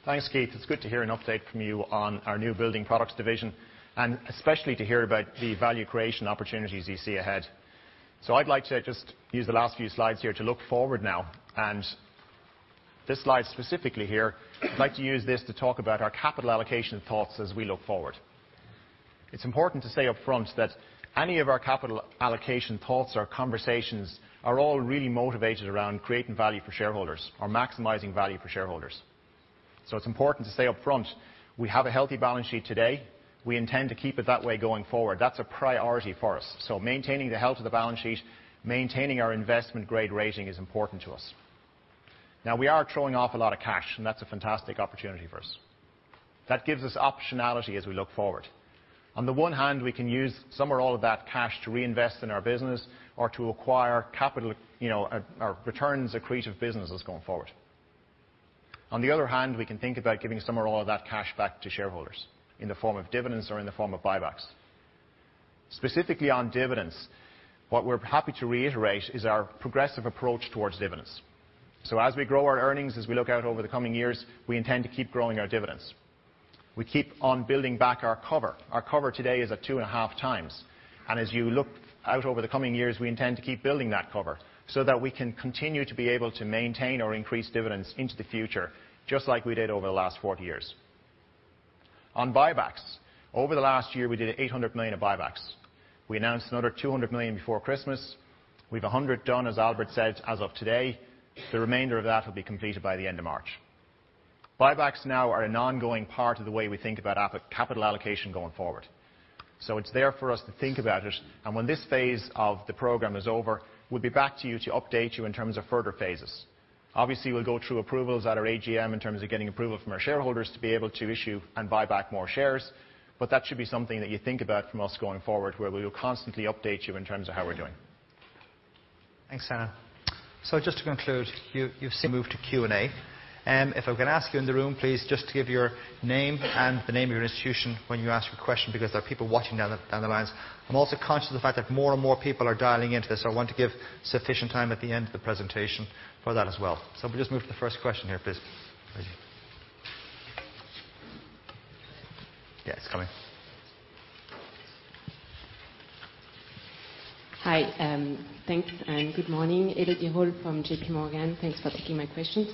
Thanks, Keith. It's good to hear an update from you on our new Building Products division, and especially to hear about the value creation opportunities you see ahead. I'd like to just use the last few slides here to look forward now. This slide specifically here, I'd like to use this to talk about our capital allocation thoughts as we look forward. It's important to say upfront that any of our capital allocation thoughts or conversations are all really motivated around creating value for shareholders or maximizing value for shareholders. It's important to say upfront, we have a healthy balance sheet today. We intend to keep it that way going forward. That's a priority for us. Maintaining the health of the balance sheet, maintaining our investment-grade rating is important to us. We are throwing off a lot of cash, and that's a fantastic opportunity for us. That gives us optionality as we look forward. On the one hand, we can use some or all of that cash to reinvest in our business or to acquire capital, our returns accretive businesses going forward. On the other hand, we can think about giving some or all of that cash back to shareholders in the form of dividends or in the form of buybacks. Specifically on dividends, what we're happy to reiterate is our progressive approach towards dividends. As we grow our earnings, as we look out over the coming years, we intend to keep growing our dividends. We keep on building back our cover. Our cover today is at 2.5 times. As you look out over the coming years, we intend to keep building that cover so that we can continue to be able to maintain or increase dividends into the future, just like we did over the last 40 years. On buybacks, over the last year, we did 800 million of buybacks. We announced another 200 million before Christmas. We've 100 done, as Albert said, as of today. The remainder of that will be completed by the end of March. Buybacks now are an ongoing part of the way we think about capital allocation going forward. It's there for us to think about it, and when this phase of the program is over, we'll be back to you to update you in terms of further phases. Obviously, we'll go through approvals at our AGM in terms of getting approval from our shareholders to be able to issue and buy back more shares, that should be something that you think about from us going forward, where we will constantly update you in terms of how we're doing. Thanks, Senan Murphy. Just to conclude, you've seen move to Q&A. If I can ask you in the room, please just give your name and the name of your institution when you ask your question, because there are people watching down the lines. I'm also conscious of the fact that more and more people are dialing into this. I want to give sufficient time at the end of the presentation for that as well. We'll just move to the first question here, please. Ready? Yeah, it's coming. Hi. Thanks, and good morning. Elodie Rall from JPMorgan. Thanks for taking my questions.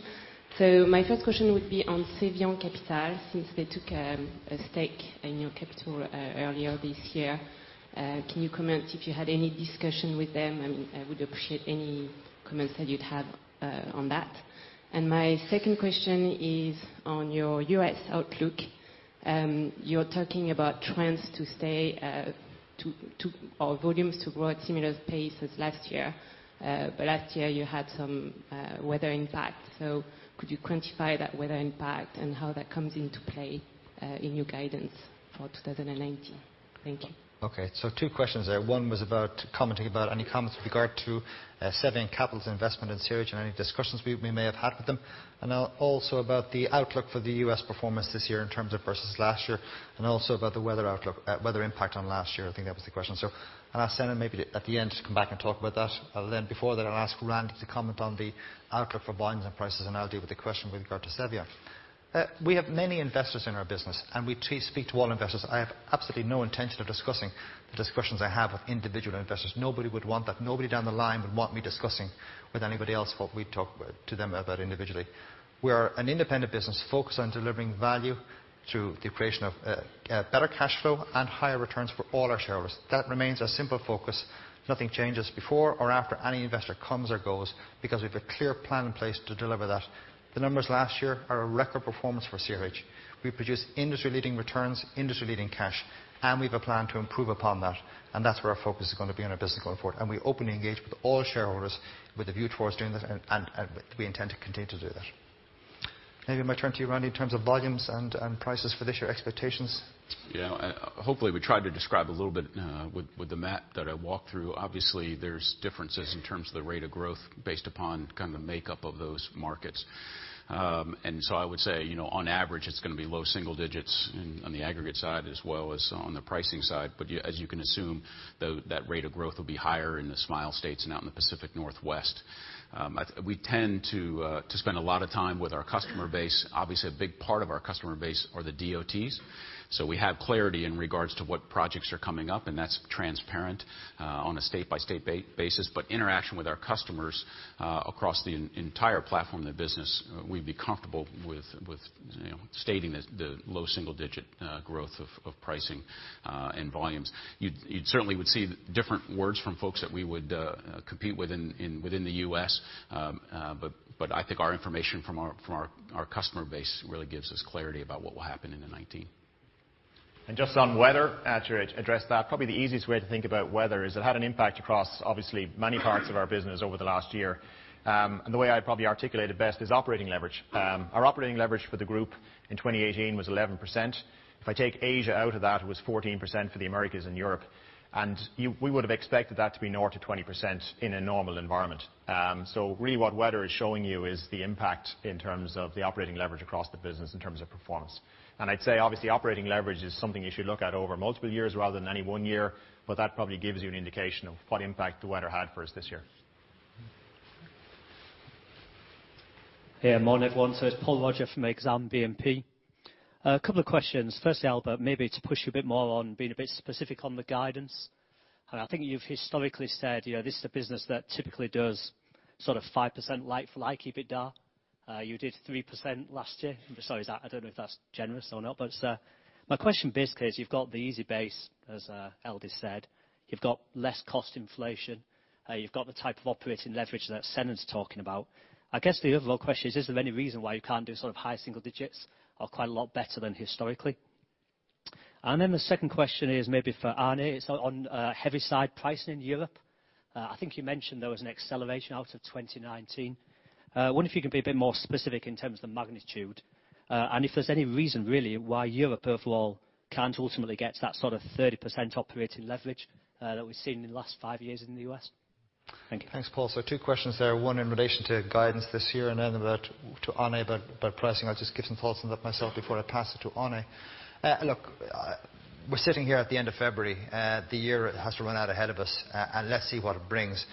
My first question would be on Cevian Capital, since they took a stake in your capital earlier this year. Can you comment if you had any discussion with them? I would appreciate any comments that you'd have on that. My second question is on your U.S. outlook. You're talking about trends to stay or volumes to grow at similar pace as last year. Last year you had some weather impact. Could you quantify that weather impact and how that comes into play in your guidance for 2019? Thank you. Two questions there. One was about commenting about any comments with regard to Cevian Capital's investment in CRH and any discussions we may have had with them. Now also about the outlook for the U.S. performance this year in terms of versus last year and also about the weather impact on last year. I think that was the question. I'll ask Senan maybe at the end to come back and talk about that. Before that, I'll ask Randy to comment on the outlook for volumes and prices, and I'll deal with the question with regard to Cevian Capital. We have many investors in our business, and we speak to all investors. I have absolutely no intention of discussing the discussions I have with individual investors. Nobody would want that. Nobody down the line would want me discussing with anybody else what we talk to them about individually. We are an independent business focused on delivering value through the creation of better cash flow and higher returns for all our shareholders. That remains our simple focus. Nothing changes before or after any investor comes or goes because we've a clear plan in place to deliver that. The numbers last year are a record performance for CRH. We produced industry-leading returns, industry-leading cash, and we've a plan to improve upon that, and that's where our focus is going to be on our business going forward. We openly engage with all shareholders with a view towards doing that, and we intend to continue to do that. Maybe I might turn to you, Randy, in terms of volumes and prices for this year expectations. Yeah. Hopefully, we tried to describe a little bit with the map that I walked through. Obviously, there's differences in terms of the rate of growth based upon kind of the makeup of those markets. I would say, on average, it's going to be low single digits on the aggregate side as well as on the pricing side. As you can assume, that rate of growth will be higher in the Smile States and out in the Pacific Northwest. We tend to spend a lot of time with our customer base. Obviously, a big part of our customer base are the DOTs. We have clarity in regards to what projects are coming up, and that's transparent on a state-by-state basis. Interaction with our customers across the entire platform of the business, we'd be comfortable with stating the low single-digit growth of pricing and volumes. You'd certainly would see different words from folks that we would compete with within the U.S. I think our information from our customer base really gives us clarity about what will happen in 2019. Just on weather, to address that, probably the easiest way to think about weather is it had an impact across obviously many parts of our business over the last year. The way I'd probably articulate it best is operating leverage. Our operating leverage for the group in 2018 was 11%. If I take Asia out of that, it was 14% for the Americas and Europe. We would have expected that to be north of 20% in a normal environment. Really what weather is showing you is the impact in terms of the operating leverage across the business in terms of performance. I'd say obviously operating leverage is something you should look at over multiple years rather than any one year, but that probably gives you an indication of what impact the weather had for us this year. Morning, everyone. It's Paul Roger from Exane BNP. A couple of questions. Firstly, Albert, maybe to push you a bit more on being a bit specific on the guidance. I think you've historically said, this is a business that typically does sort of 5% like-for-like, keep it there. You did 3% last year. Sorry, I don't know if that's generous or not. My question basically is you've got the easy base, as Aldis said. You've got less cost inflation. You've got the type of operating leverage that Senan's talking about. I guess the overall question is there any reason why you can't do sort of high single digits or quite a lot better than historically? The second question is maybe for Onne. It's on heavy side pricing in Europe. I think you mentioned there was an acceleration out of 2019. I wonder if you can be a bit more specific in terms of the magnitude. If there's any reason really why Europe overall can't ultimately get to that sort of 30% operating leverage that we've seen in the last five years in the U.S. Thank you. Thanks, Paul. Two questions there. One in relation to guidance this year. To Onne about pricing. I'll just give some thoughts on that myself before I pass it to Onne. Look, we're sitting here at the end of February. The year has to run out ahead of us, and let's see what it brings.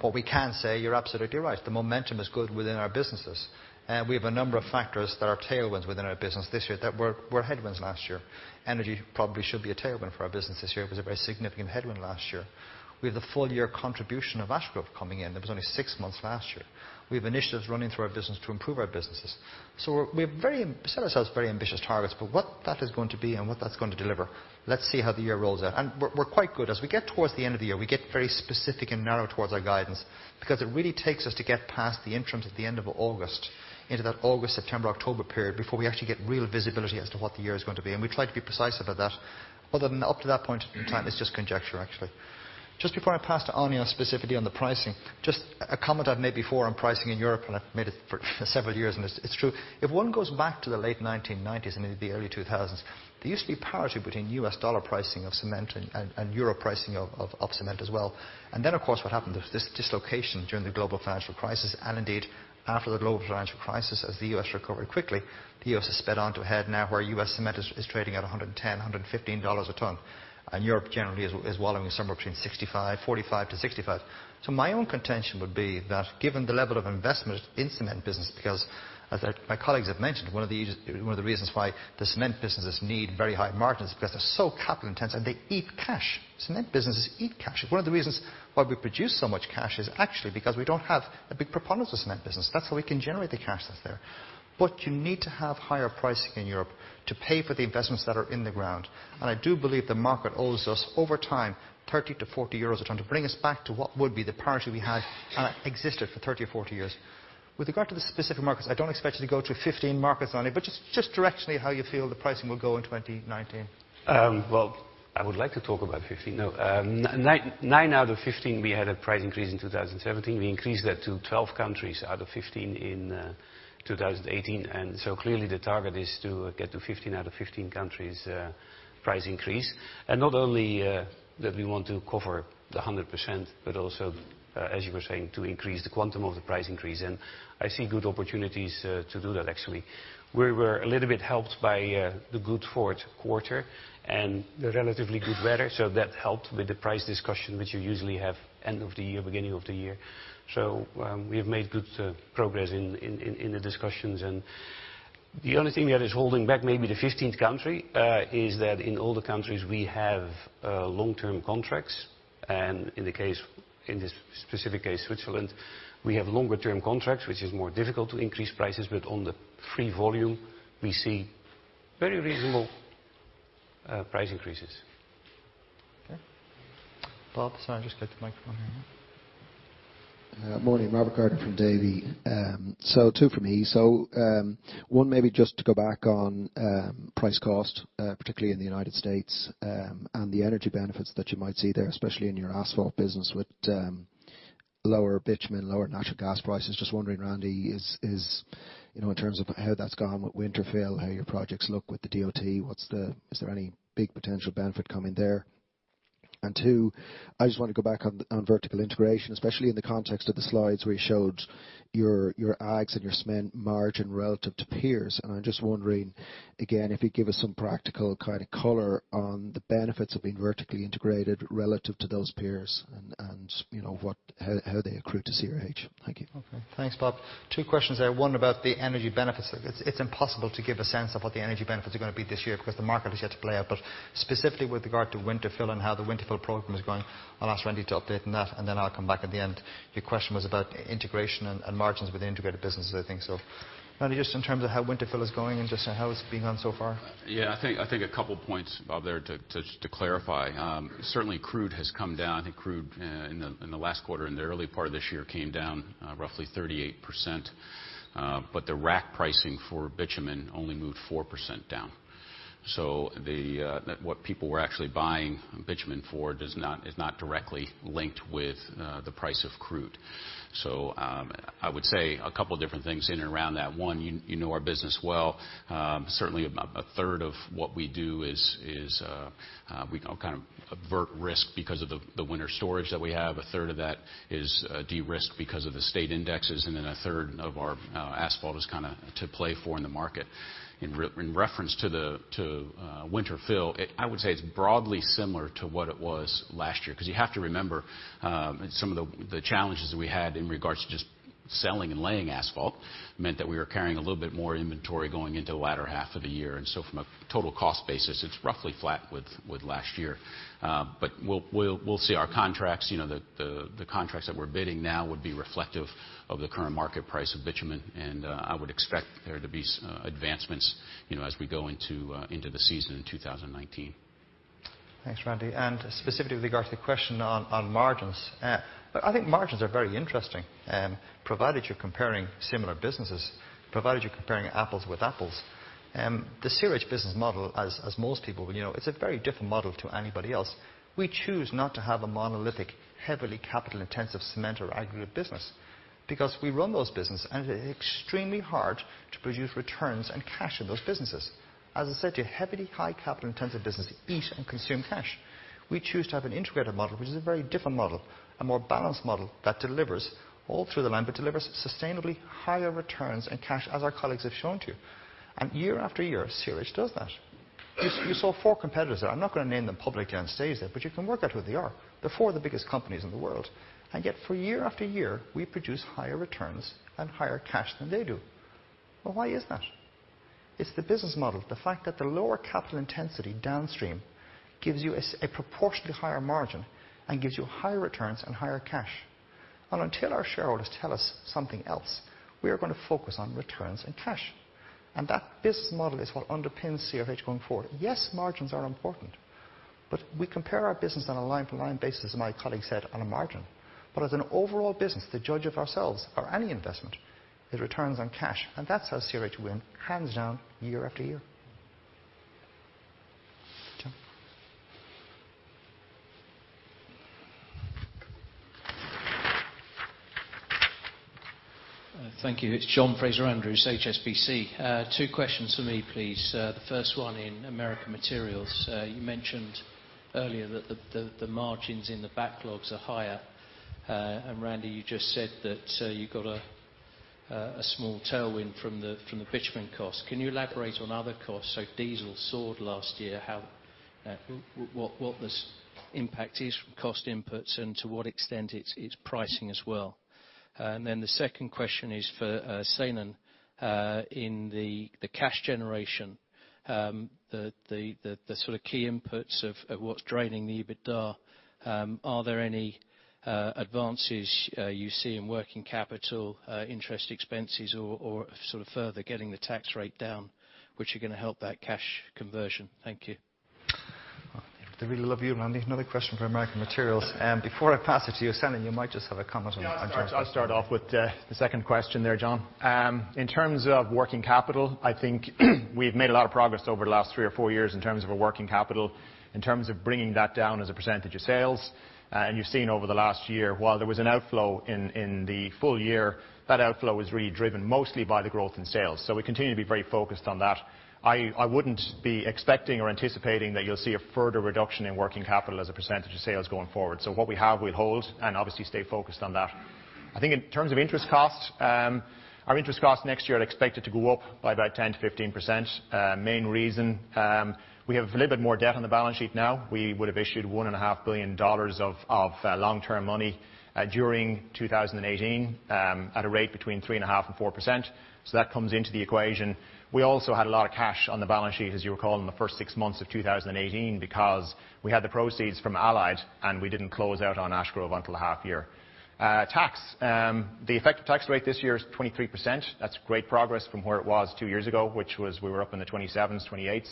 What we can say, you're absolutely right. The momentum is good within our businesses. We have a number of factors that are tailwinds within our business this year that were headwinds last year. Energy probably should be a tailwind for our business this year. It was a very significant headwind last year. We have the full year contribution of Ash Grove coming in. There was only six months last year. We have initiatives running through our business to improve our businesses. We set ourselves very ambitious targets, but what that is going to be and what that's going to deliver, let's see how the year rolls out. We're quite good. As we get towards the end of the year, we get very specific and narrow towards our guidance because it really takes us to get past the interim at the end of August into that August, September, October period before we actually get real visibility as to what the year is going to be, and we try to be precise about that. Other than up to that point in time, it's just conjecture, actually. Just before I pass to Onne specifically on the pricing, just a comment I've made before on pricing in Europe, and I've made it for several years, and it's true. If one goes back to the late 1990s and into the early 2000s, there used to be parity between U.S. dollar pricing of cement and EUR pricing of cement as well. Then, of course, what happened is this dislocation during the global financial crisis, and indeed after the global financial crisis, as the U.S. recovered quickly, the U.S. has sped on to ahead now where U.S. cement is trading at $110, $115 a ton. Europe generally is wallowing somewhere between 45 to 65. My own contention would be that given the level of investment in cement business, because as my colleagues have mentioned, one of the reasons why the cement businesses need very high margins is because they're so capital intense and they eat cash. Cement businesses eat cash. One of the reasons why we produce so much cash is actually because we don't have a big preponderance of cement business. That's why we can generate the cash that's there. You need to have higher pricing in Europe to pay for the investments that are in the ground. I do believe the market owes us, over time, 30 to 40 euros a ton to bring us back to what would be the parity we had existed for 30 or 40 years. With regard to the specific markets, I don't expect you to go to 15 markets on it, but just directionally how you feel the pricing will go in 2019. Well, I would like to talk about 15. No. Nine out of 15, we had a price increase in 2017. We increased that to 12 countries out of 15 in 2018. Clearly the target is to get to 15 out of 15 countries price increase. Not only that we want to cover the 100%, but also, as you were saying, to increase the quantum of the price increase. I see good opportunities to do that actually. We were a little bit helped by the good fourth quarter and the relatively good weather. That helped with the price discussion, which you usually have end of the year, beginning of the year. We have made good progress in the discussions and the only thing that is holding back maybe the 15th country, is that in all the countries we have long-term contracts. In this specific case, Switzerland, we have longer term contracts, which is more difficult to increase prices, but on the free volume we see very reasonable price increases. Okay. Bob, I'll just get the microphone here. Morning. Robert Gardiner from Davy. Two from me. One maybe just to go back on price cost, particularly in the U.S., and the energy benefits that you might see there, especially in your asphalt business with lower bitumen, lower natural gas prices. Just wondering, Randy, in terms of how that's gone with winter fill, how your projects look with the DOT, is there any big potential benefit coming there? Two, I just want to go back on vertical integration, especially in the context of the slides where you showed your ags and your cement margin relative to peers. I'm just wondering, again, if you'd give us some practical kind of color on the benefits of being vertically integrated relative to those peers and how they accrue to CRH. Thank you. Okay. Thanks, Bob. Two questions there. One about the energy benefits. It's impossible to give a sense of what the energy benefits are going to be this year because the market is yet to play out. But specifically with regard to winter fill and how the winter fill program is going, I'll ask Randy to update on that and then I'll come back at the end. Your question was about integration and margins with the integrated businesses, I think so. Randy, just in terms of how winter fill is going and just how it's been going so far. Yeah, I think a couple points, Bob, there to clarify. Certainly, crude has come down. I think crude in the last quarter, in the early part of this year, came down roughly 38%, but the rack pricing for bitumen only moved 4% down. What people were actually buying bitumen for is not directly linked with the price of crude. I would say a couple different things in and around that. One, you know our business well. Certainly, about a third of what we do is, we kind of avert risk because of the winter storage that we have. A third of that is de-risked because of the state indexes, and then a third of our asphalt is kind of to play for in the market. In reference to winter fill, I would say it's broadly similar to what it was last year, because you have to remember some of the challenges that we had in regards to just selling and laying asphalt meant that we were carrying a little bit more inventory going into the latter half of the year. From a total cost basis, it's roughly flat with last year. We'll see. Our contracts, the contracts that we're bidding now would be reflective of the current market price of bitumen, and I would expect there to be advancements as we go into the season in 2019. Thanks, Randy. Specifically with regard to the question on margins. Look, I think margins are very interesting, provided you're comparing similar businesses, provided you're comparing apples with apples. The CRH business model, as most people would know, it's a very different model to anybody else. We choose not to have a monolithic, heavily capital intensive cement or aggregate business because we run those business and it is extremely hard to produce returns and cash in those businesses. As I said to you, heavily high capital intensive business eat and consume cash. We choose to have an integrated model, which is a very different model, a more balanced model that delivers all through the line, but delivers sustainably higher returns and cash, as our colleagues have shown to you. Year after year, CRH does that. You saw four competitors there. I'm not going to name them publicly on stage there, but you can work out who they are. They're four of the biggest companies in the world, yet for year after year, we produce higher returns and higher cash than they do. Well, why is that? It's the business model. The fact that the lower capital intensity downstream gives you a proportionately higher margin and gives you higher returns and higher cash. Until our shareholders tell us something else, we are going to focus on returns and cash. That business model is what underpins CRH going forward. Yes, margins are important, we compare our business on a line-to-line basis, as my colleague said, on a margin. As an overall business, the judge of ourselves or any investment, is returns on cash, and that's how CRH win hands down year after year. Thank you. It's John Fraser-Andrews, HSBC. Two questions from me, please. The first one in Americas Materials. You mentioned earlier that the margins in the backlogs are higher. Randy, you just said that you got a small tailwind from the bitumen cost. Can you elaborate on other costs? Diesel soared last year. What this impact is from cost inputs, and to what extent it's pricing as well. Then the second question is for Senan. In the cash generation, the sort of key inputs of what's draining the EBITDA, are there any advances you see in working capital, interest expenses, or sort of further getting the tax rate down, which are going to help that cash conversion? Thank you. They really love you, Randy. Another question for Americas Materials. Before I pass it to you, Senan, you might just have a comment on John's question. Yeah, I'll start off with the second question there, John. In terms of working capital, I think we've made a lot of progress over the last three or four years in terms of a working capital, in terms of bringing that down as a percentage of sales. You've seen over the last year, while there was an outflow in the full year, that outflow was really driven mostly by the growth in sales. We continue to be very focused on that. I wouldn't be expecting or anticipating that you'll see a further reduction in working capital as a percentage of sales going forward. What we have, we'll hold, and obviously stay focused on that. I think in terms of interest costs, our interest costs next year are expected to go up by about 10%-15%. Main reason, we have a little bit more debt on the balance sheet now. We would have issued EUR 1.5 billion of long-term money during 2018, at a rate between 3.5% and 4%, that comes into the equation. We also had a lot of cash on the balance sheet, as you recall, in the first six months of 2018, because we had the proceeds from Allied, we didn't close out on Ash Grove until half year. Tax. The effective tax rate this year is 23%. That's great progress from where it was two years ago, which was we were up in the 27%, 28%.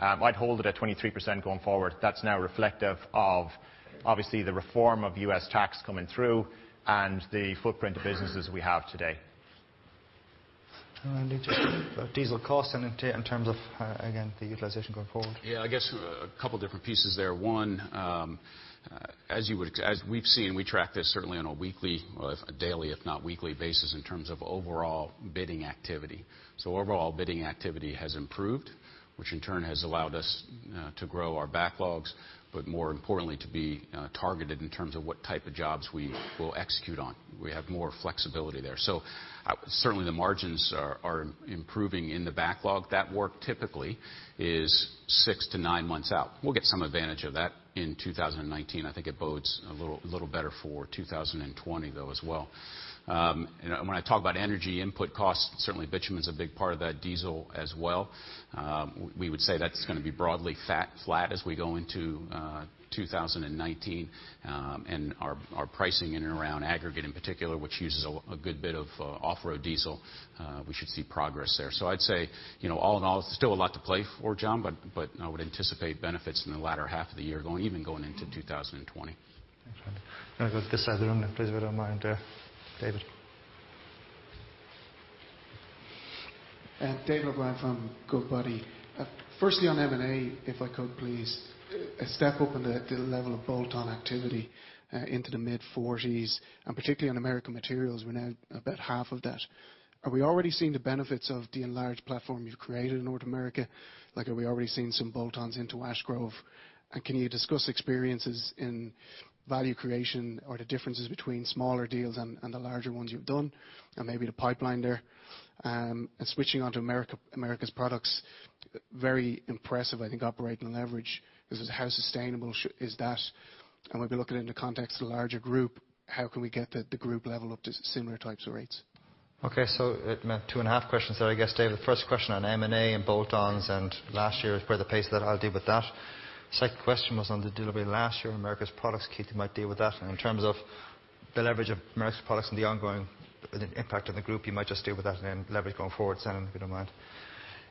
I'd hold it at 23% going forward. That's now reflective of, obviously, the reform of U.S. tax coming through and the footprint of businesses we have today. Randy, just diesel costs and in terms of, again, the utilization going forward. I guess a couple different pieces there. One, as we've seen, we track this certainly on a daily, if not weekly, basis in terms of overall bidding activity. Overall bidding activity has improved, which in turn has allowed us to grow our backlogs, but more importantly, to be targeted in terms of what type of jobs we will execute on. We have more flexibility there. Certainly the margins are improving in the backlog. That work typically is six to nine months out. We'll get some advantage of that in 2019. I think it bodes a little better for 2020, though, as well. When I talk about energy input costs, certainly bitumen's a big part of that, diesel as well. We would say that's going to be broadly flat as we go into 2019. Our pricing in and around aggregate in particular, which uses a good bit of off-road diesel, we should see progress there. I'd say, all in all, there's still a lot to play for, John, but I would anticipate benefits in the latter half of the year, even going into 2020. Thanks, Randy. Going to go to this side of the room now, please if you don't mind there. David. David O'Brien from Goodbody. Firstly on M&A, if I could please. A step up in the level of bolt-on activity into the mid-40s, particularly on Americas Materials, we're now about half of that. Are we already seeing the benefits of the enlarged platform you've created in North America? Are we already seeing some bolt-ons into Ash Grove? Can you discuss experiences in value creation, or the differences between smaller deals and the larger ones you've done, and maybe the pipeline there? Switching onto Americas Products, very impressive, I think, operating leverage. How sustainable is that? Maybe looking in the context of the larger group, how can we get the group level up to similar types of rates? Okay, two and a half questions there, I guess, David. The first question on M&A and bolt-ons and last year is where the pace of that. I'll deal with that. Second question was on the delivery last year on Americas Products. Keith might deal with that. In terms of the leverage of Americas Products and the ongoing impact on the group, you might just deal with that and then leverage going forward, Senan, if you don't mind.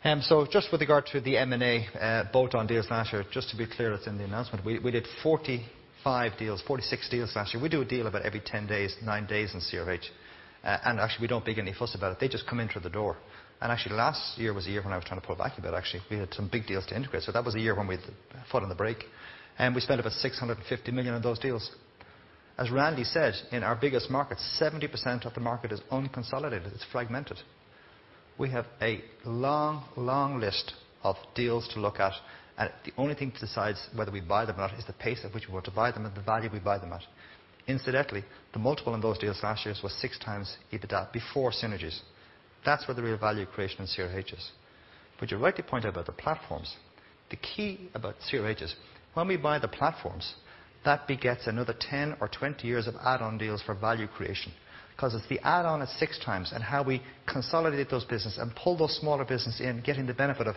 Just with regard to the M&A bolt-on deals last year, just to be clear, it's in the announcement. We did 45 deals, 46 deals last year. We do a deal about every 10 days, nine days in CRH. Actually, we don't make any fuss about it. They just come in through the door. Actually, last year was the year when I was trying to pull back a bit, actually. We had some big deals to integrate. That was the year when we had our foot on the brake. We spent about $650 million on those deals. As Randy said, in our biggest market, 70% of the market is unconsolidated. It's fragmented. We have a long list of deals to look at, the only thing that decides whether we buy them or not is the pace at which we want to buy them and the value we buy them at. Incidentally, the multiple on those deals last year was six times EBITDA before synergies. That's where the real value creation in CRH is. You're right to point out about the platforms. The key about CRH is when we buy the platforms, that begets another 10 or 20 years of add-on deals for value creation. If the add-on is six times, how we consolidate those business and pull those smaller business in, getting the benefit of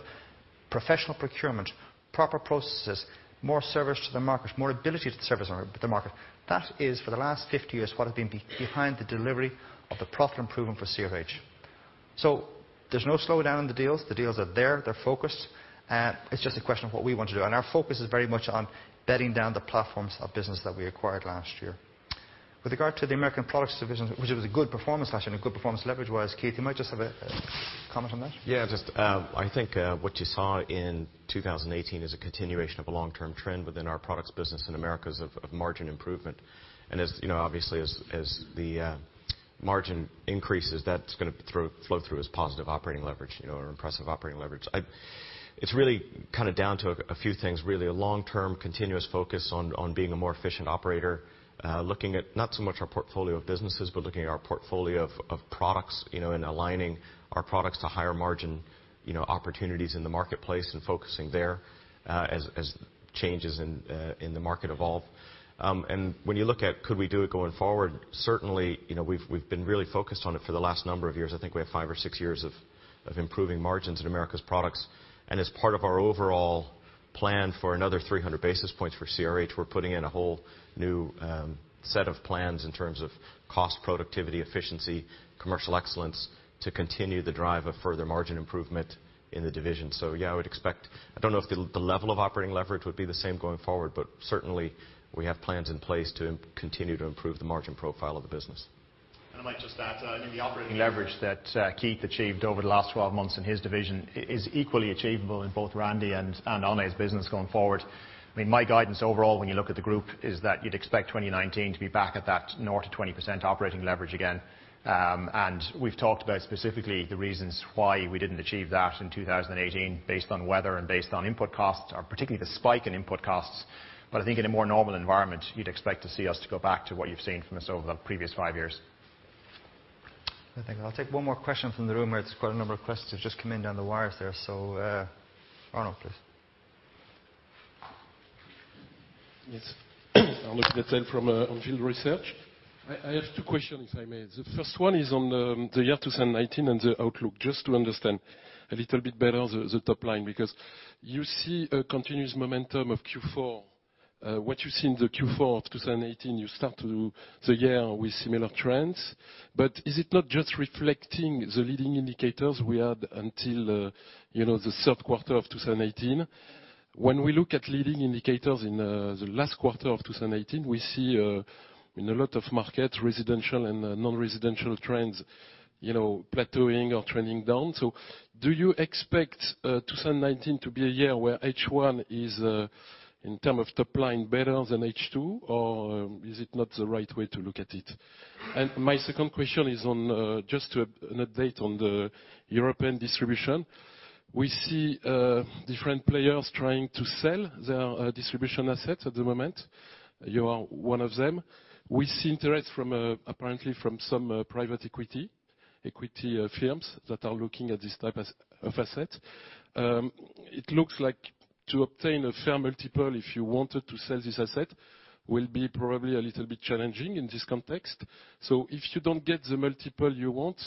professional procurement, proper processes, more service to the market, more ability to service the market. That is, for the last 50 years, what has been behind the delivery of the profit improvement for CRH. There's no slowdown in the deals. The deals are there. They're focused. It's just a question of what we want to do. Our focus is very much on bedding down the platforms of business that we acquired last year. With regard to the Americas Products division, which it was a good performance last year and a good performance leverage-wise, Keith, you might just have a comment on that. Yeah, I think what you saw in 2018 is a continuation of a long-term trend within our Americas Products business of margin improvement. Margin increases, that's going to flow through as positive operating leverage, or impressive operating leverage. It's really down to a few things, really: a long-term continuous focus on being a more efficient operator, looking at not so much our portfolio of businesses, but looking at our portfolio of products, and aligning our products to higher margin opportunities in the marketplace, and focusing there, as changes in the market evolve. When you look at could we do it going forward, certainly, we've been really focused on it for the last number of years. I think we have five or six years of improving margins in Americas Products. As part of our overall plan for another 300 basis points for CRH, we're putting in a whole new set of plans in terms of cost productivity, efficiency, commercial excellence, to continue the drive of further margin improvement in the division. Yeah, I would expect, I don't know if the level of operating leverage would be the same going forward, but certainly we have plans in place to continue to improve the margin profile of the business. I might just add, I think the operating leverage that Keith achieved over the last 12 months in his division is equally achievable in both Randy and Onne's business going forward. My guidance overall, when you look at the group, is that you'd expect 2019 to be back at that north of 20% operating leverage again. We've talked about specifically the reasons why we didn't achieve that in 2018, based on weather and based on input costs, or particularly the spike in input costs. I think in a more normal environment, you'd expect to see us to go back to what you've seen from us over the previous five years. I think I'll take one more question from the room. We had quite a number of questions just come in down the wires there. Arnulf, please. Yes. Arnulf Attel from Onfield Research. I have two questions, if I may. The first one is on the year 2019 and the outlook, just to understand a little bit better the top line, because you see a continuous momentum of Q4. What you see in the Q4 of 2018, you start the year with similar trends. Is it not just reflecting the leading indicators we had until the third quarter of 2018? When we look at leading indicators in the last quarter of 2018, we see in a lot of markets, residential and non-residential trends plateauing or trending down. Do you expect 2019 to be a year where H1 is, in term of top line, better than H2? Is it not the right way to look at it? My second question is just an update on the Europe Distribution. We see different players trying to sell their distribution assets at the moment. You are one of them. We see interest apparently from some private equity firms that are looking at this type of asset. It looks like to obtain a fair multiple, if you wanted to sell this asset, will be probably a little bit challenging in this context. If you don't get the multiple you want,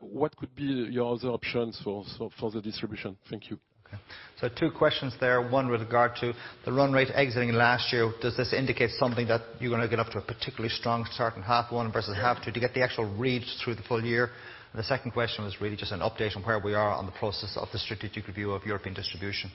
what could be your other options for the distribution? Thank you. Okay, two questions there. One with regard to the run rate exiting last year. Does this indicate something that you're going to get off to a particularly strong start in half one versus half two to get the actual read through the full year? The second question was really just an update on where we are on the process of the strategic review of Europe Distribution.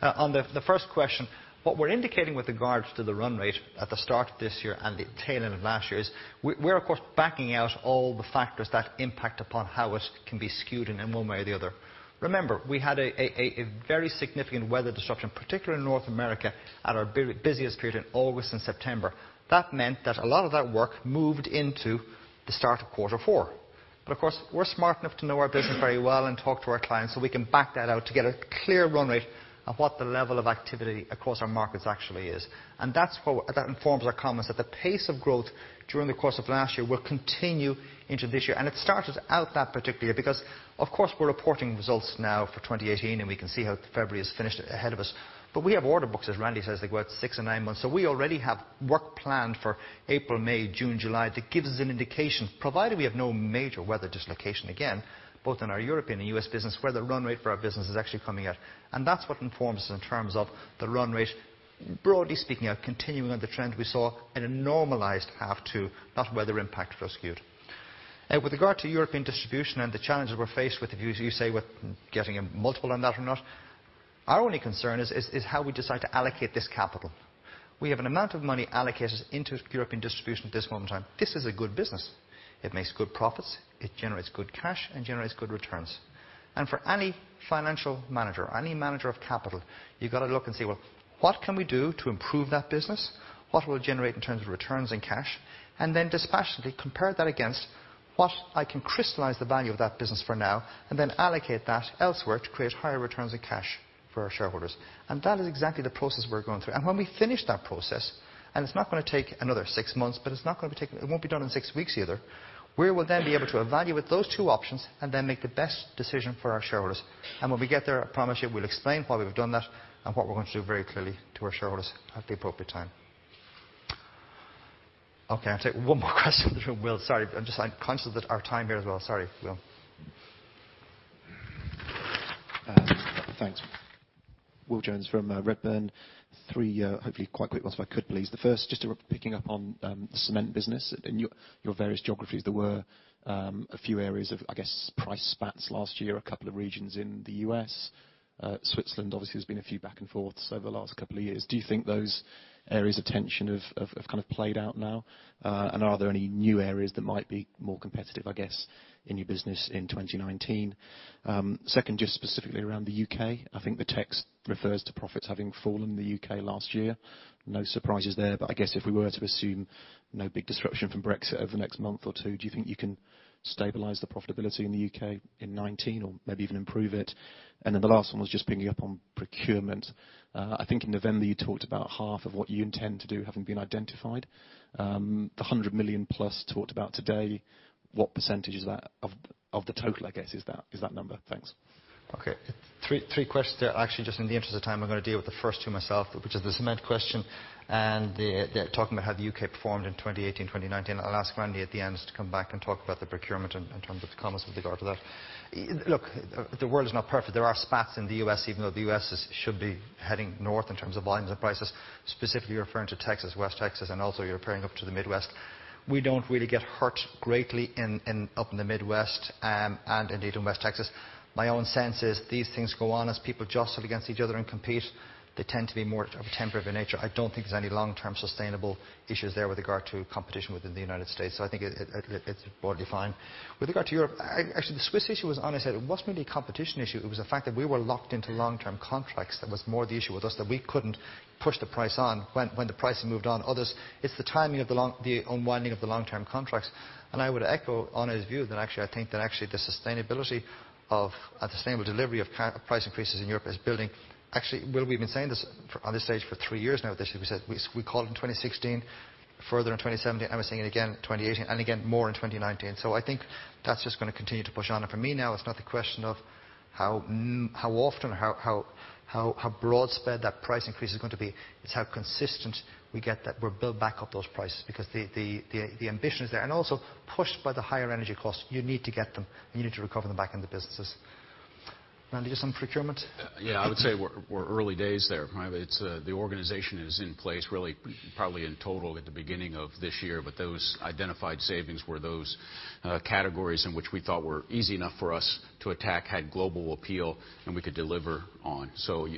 On the first question, what we're indicating with regards to the run rate at the start of this year and the tail end of last year is we're of course backing out all the factors that impact upon how it can be skewed in one way or the other. Remember, we had a very significant weather disruption, particularly in North America, at our busiest period in August and September. That meant that a lot of that work moved into the start of quarter four. Of course, we're smart enough to know our business very well and talk to our clients so we can back that out to get a clear run rate of what the level of activity across our markets actually is. That informs our comments, that the pace of growth during the course of last year will continue into this year. It started out that particularly because, of course, we're reporting results now for 2018, and we can see how February is finished ahead of us. We have order books, as Randy says, that go out six and nine months. We already have work planned for April, May, June, July. That gives us an indication, provided we have no major weather dislocation again, both in our European and U.S. business, where the run rate for our business is actually coming at. That's what informs us in terms of the run rate, broadly speaking, are continuing on the trend we saw in a normalized half two, not weather-impacted or skewed. With regard to European distribution and the challenges we're faced with, you say with getting a multiple on that or not, our only concern is how we decide to allocate this capital. We have an amount of money allocated into European distribution at this moment in time. This is a good business. It makes good profits, it generates good cash, and generates good returns. For any financial manager, any manager of capital, you've got to look and say, "Well, what can we do to improve that business? What will it generate in terms of returns in cash?" Then dispassionately compare that against what I can crystallize the value of that business for now, then allocate that elsewhere to create higher returns in cash for our shareholders. That is exactly the process we're going through. When we finish that process, it's not going to take another six months, it won't be done in six weeks either, we will then be able to evaluate those two options then make the best decision for our shareholders. When we get there, I promise you, we'll explain why we've done that and what we're going to do very clearly to our shareholders at the appropriate time. Okay, I'll take one more question from the room. Will, sorry. I'm conscious of our time here as well. Sorry, Will. Thanks. Will Jones from Redburn. Three hopefully quite quick ones if I could, please. The first, just picking up on the cement business in your various geographies. There were a few areas of, I guess, price spats last year, a couple of regions in the U.S. Switzerland obviously there's been a few back and forths over the last couple of years. Do you think those areas of tension have kind of played out now? Are there any new areas that might be more competitive, I guess, in your business in 2019? Second, just specifically around the U.K., I think the text refers to profits having fallen in the U.K. last year. No surprises there. I guess if we were to assume no big disruption from Brexit over the next month or two, do you think you can stabilize the profitability in the U.K. in 2019 or maybe even improve it? The last one was just picking up on procurement. I think in November you talked about half of what you intend to do having been identified. The 100 million plus talked about today, what percentage is that of the total, I guess, is that number? Thanks. Okay. Three questions there. Actually, just in the interest of time, I'm going to deal with the first two myself, which is the cement question and talking about how the U.K. performed in 2018 and 2019. I'll ask Randy at the end to come back and talk about the procurement in terms of the comments with regard to that. Look, the world is not perfect. There are spats in the U.S. even though the U.S. should be heading north in terms of volumes and prices. Specifically, you're referring to Texas, West Texas, and also you're referring up to the Midwest. We don't really get hurt greatly up in the Midwest and indeed in West Texas. My own sense is these things go on as people jostle against each other and compete. They tend to be more of a temporary nature. I don't think there's any long-term sustainable issues there with regard to competition within the United States. I think it's broadly fine. With regard to Europe, actually the Swiss issue was, honestly, it wasn't really a competition issue, it was the fact that we were locked into long-term contracts. That was more the issue with us, that we couldn't push the price on when the price had moved on others. It's the timing of the unwinding of the long-term contracts. I would echo Ana's view that actually I think that actually the sustainability of a sustainable delivery of price increases in Europe is building. Actually, well, we've been saying this on this stage for three years now. We called it in 2016, further in 2017. We're seeing it again in 2018 and again more in 2019. I think that's just going to continue to push on. For me now, it's not the question of how often or how broad spread that price increase is going to be, it's how consistent we get that we'll build back up those prices because the ambition is there. Also pushed by the higher energy costs. You need to get them, and you need to recover them back in the businesses. Randy, just on procurement? Yeah. I would say we're early days there. The organization is in place, really probably in total at the beginning of this year. Those identified savings were those categories in which we thought were easy enough for us to attack, had global appeal, and we could deliver on.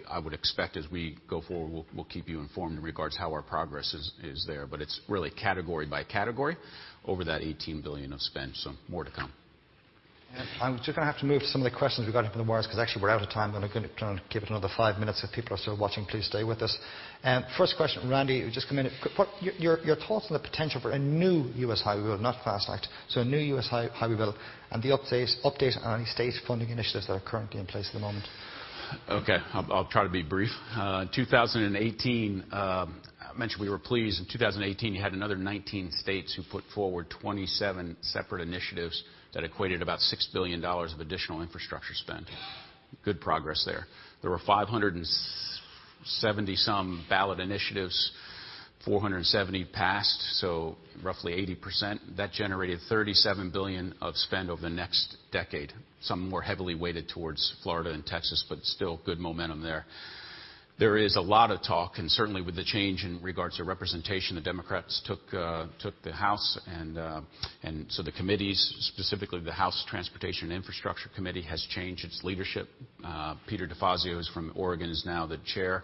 I would expect as we go forward, we'll keep you informed in regards how our progress is there. It's really category by category over that 18 billion of spend. More to come. I'm just going to have to move to some of the questions we got in from the wires because actually we're out of time, but I'm going to give it another five minutes. If people are still watching, please stay with us. First question, Randy, just come in. Your thoughts on the potential for a new U.S. highway bill, not FAST Act. A new U.S. highway bill and the updates on any state funding initiatives that are currently in place at the moment. Okay. I'll try to be brief. I mentioned we were pleased in 2018, you had another 19 states who put forward 27 separate initiatives that equated about $6 billion of additional infrastructure spend. Good progress there. There were 570 some ballot initiatives, 470 passed, roughly 80%. That generated $37 billion of spend over the next decade. Some more heavily weighted towards Florida and Texas, but still good momentum there. There is a lot of talk, certainly with the change in regards to representation, the Democrats took the House, and so the committees, specifically the House Committee on Transportation and Infrastructure, has changed its leadership. Peter DeFazio, who's from Oregon, is now the chair.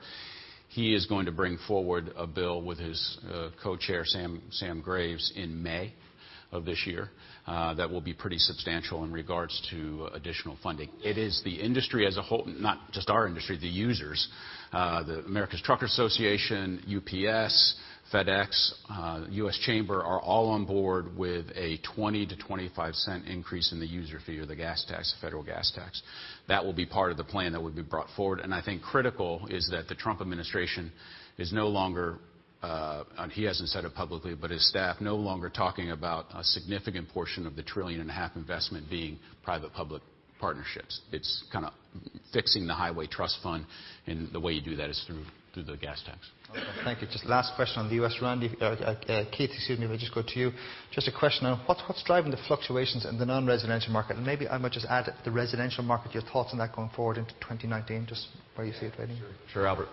He is going to bring forward a bill with his co-chair, Sam Graves, in May of this year that will be pretty substantial in regards to additional funding. It is the industry as a whole, not just our industry, the users, the American Trucking Associations, UPS, FedEx, U.S. Chamber, are all on board with a $0.20-$0.25 increase in the user fee or the gas tax, the federal gas tax. That will be part of the plan that would be brought forward. I think critical is that the Trump administration is no longer, and he hasn't said it publicly, but his staff no longer talking about a significant portion of the trillion and a half investment being private-public partnerships. It's kind of fixing the Highway Trust Fund, and the way you do that is through the gas tax. Thank you. Just last question on the U.S., Randy. Keith, excuse me if I just go to you. Just a question on what's driving the fluctuations in the non-residential market? Maybe I might just add the residential market, your thoughts on that going forward into 2019, just where you see it heading. Sure, Albert.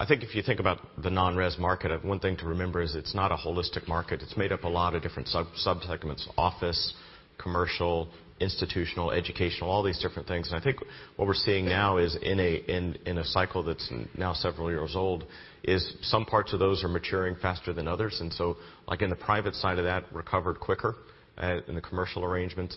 I think if you think about the non-res market, one thing to remember is it's not a holistic market. It's made up a lot of different sub-segments, office, commercial, institutional, educational, all these different things. I think what we're seeing now is in a cycle that's now several years old, is some parts of those are maturing faster than others. Again, the private side of that recovered quicker in the commercial arrangements.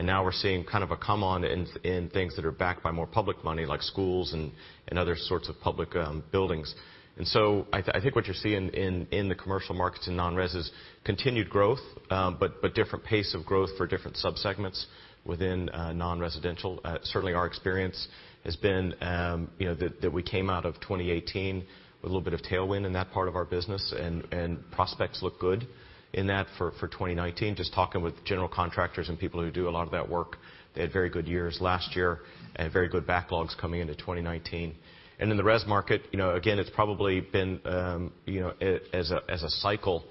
Now we're seeing kind of a come on in things that are backed by more public money like schools and other sorts of public buildings. I think what you're seeing in the commercial markets and non-res is continued growth, but different pace of growth for different sub-segments within non-residential. Certainly our experience has been that we came out of 2018 with a little bit of tailwind in that part of our business and prospects look good in that for 2019. Just talking with general contractors and people who do a lot of that work, they had very good years last year and very good backlogs coming into 2019. In the res market, again, it's probably been as a cycle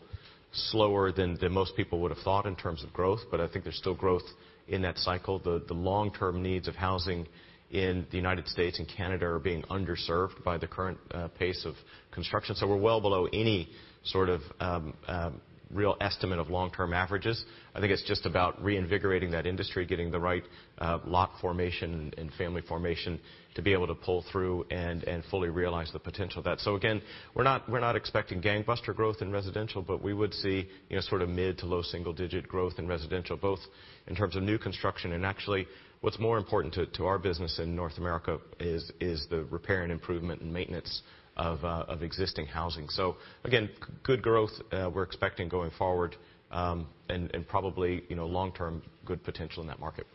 slower than most people would have thought in terms of growth, but I think there's still growth in that cycle. The long-term needs of housing in the United States and Canada are being underserved by the current pace of construction. We're well below any sort of real estimate of long-term averages. I think it's just about reinvigorating that industry, getting the right lock formation and family formation to be able to pull through and fully realize the potential of that. We're not expecting gangbuster growth in residential, but we would see sort of mid to low single digit growth in residential, both in terms of new construction and actually what's more important to our business in North America is the repair and improvement and maintenance of existing housing. Good growth we're expecting going forward, and probably long-term good potential in that market.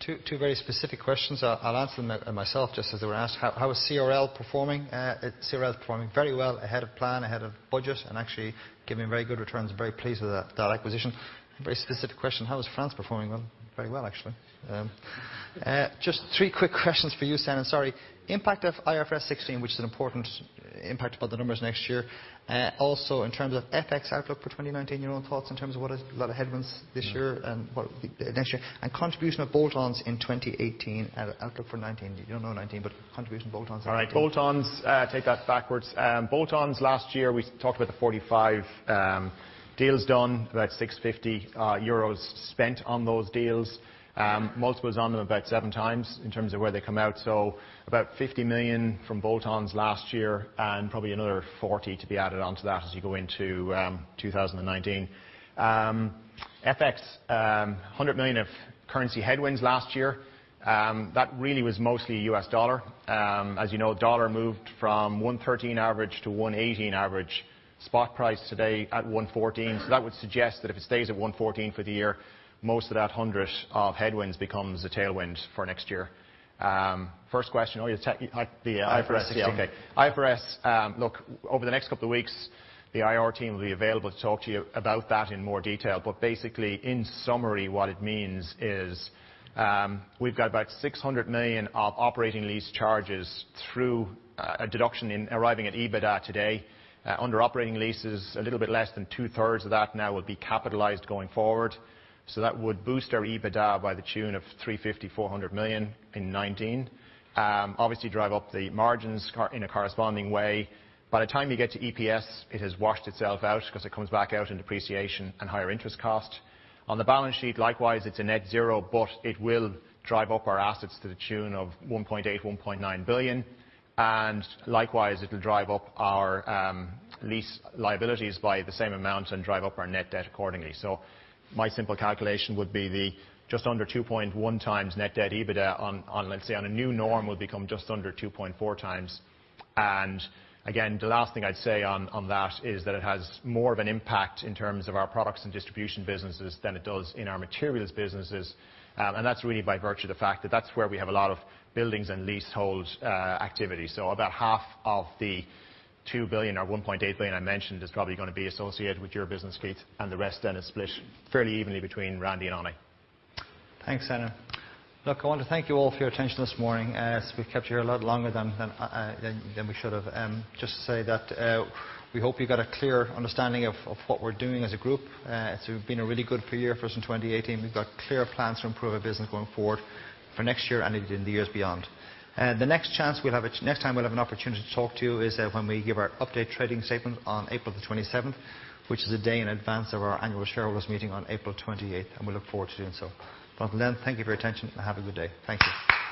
Two very specific questions. I'll answer them myself just as they were asked. How is CRL performing? CRL is performing very well, ahead of plan, ahead of budget, and actually giving very good returns. Very pleased with that acquisition. Very specific question, how is France performing? Well, very well, actually. Just three quick questions for you, Senan. Sorry. Impact of IFRS 16, which is an important impact upon the numbers next year. Also, in terms of FX outlook for 2019, your own thoughts in terms of what is a lot of headwinds this year and what next year. Contribution of bolt-ons in 2018 and outlook for 2019. You don't know 2019, but contribution of bolt-ons in 2018. All right, bolt-ons. Take that backwards. Bolt-ons last year, we talked about the 45 deals done, about 650 euros spent on those deals. Multiples on them about seven times in terms of where they come out. About 50 million from bolt-ons last year, and probably another 40 million to be added onto that as you go into 2019. FX, 100 million of currency headwinds last year. That really was mostly U.S. dollar. As you know, dollar moved from 113 average to 118 average. Spot price today at 114. That would suggest that if it stays at 114 for the year, most of that 100 of headwinds becomes a tailwind for next year. First question, oh, yeah, the IFRS 16. IFRS. Okay. IFRS. Look, over the next couple of weeks, the IR team will be available to talk to you about that in more detail. Basically, in summary, what it means is, we've got about 600 million of operating lease charges through a deduction in arriving at EBITDA today. Under operating leases, a little bit less than two-thirds of that now will be capitalized going forward. That would boost our EBITDA by the tune of 350 million-400 million in 2019. Obviously drive up the margins in a corresponding way. By the time you get to EPS, it has washed itself out because it comes back out in depreciation and higher interest cost. On the balance sheet, likewise, it's a net zero, but it will drive up our assets to the tune of 1.8 billion-1.9 billion. Likewise, it'll drive up our lease liabilities by the same amount and drive up our Net Debt accordingly. My simple calculation would be the just under 2.1x Net Debt/EBITDA on, let's say, on a new norm would become just under 2.4x. Again, the last thing I'd say on that is that it has more of an impact in terms of our Products and Distribution businesses than it does in our Materials businesses. That's really by virtue of the fact that that's where we have a lot of buildings and leasehold activity. About half of the 2 billion or 1.8 billion I mentioned is probably gonna be associated with your business, Keith, and the rest then is split fairly evenly between Randy and Annie. Thanks, Seán. I want to thank you all for your attention this morning, as we've kept you here a lot longer than we should have. To say that we hope you got a clear understanding of what we're doing as a group. It's been a really good year for us in 2018. We've got clear plans to improve our business going forward for next year and in the years beyond. The next time we'll have an opportunity to talk to you is when we give our update trading statement on April 27th, which is a day in advance of our annual shareholders meeting on April 28th, and we look forward to doing so. Until then, thank you for your attention, and have a good day. Thank you.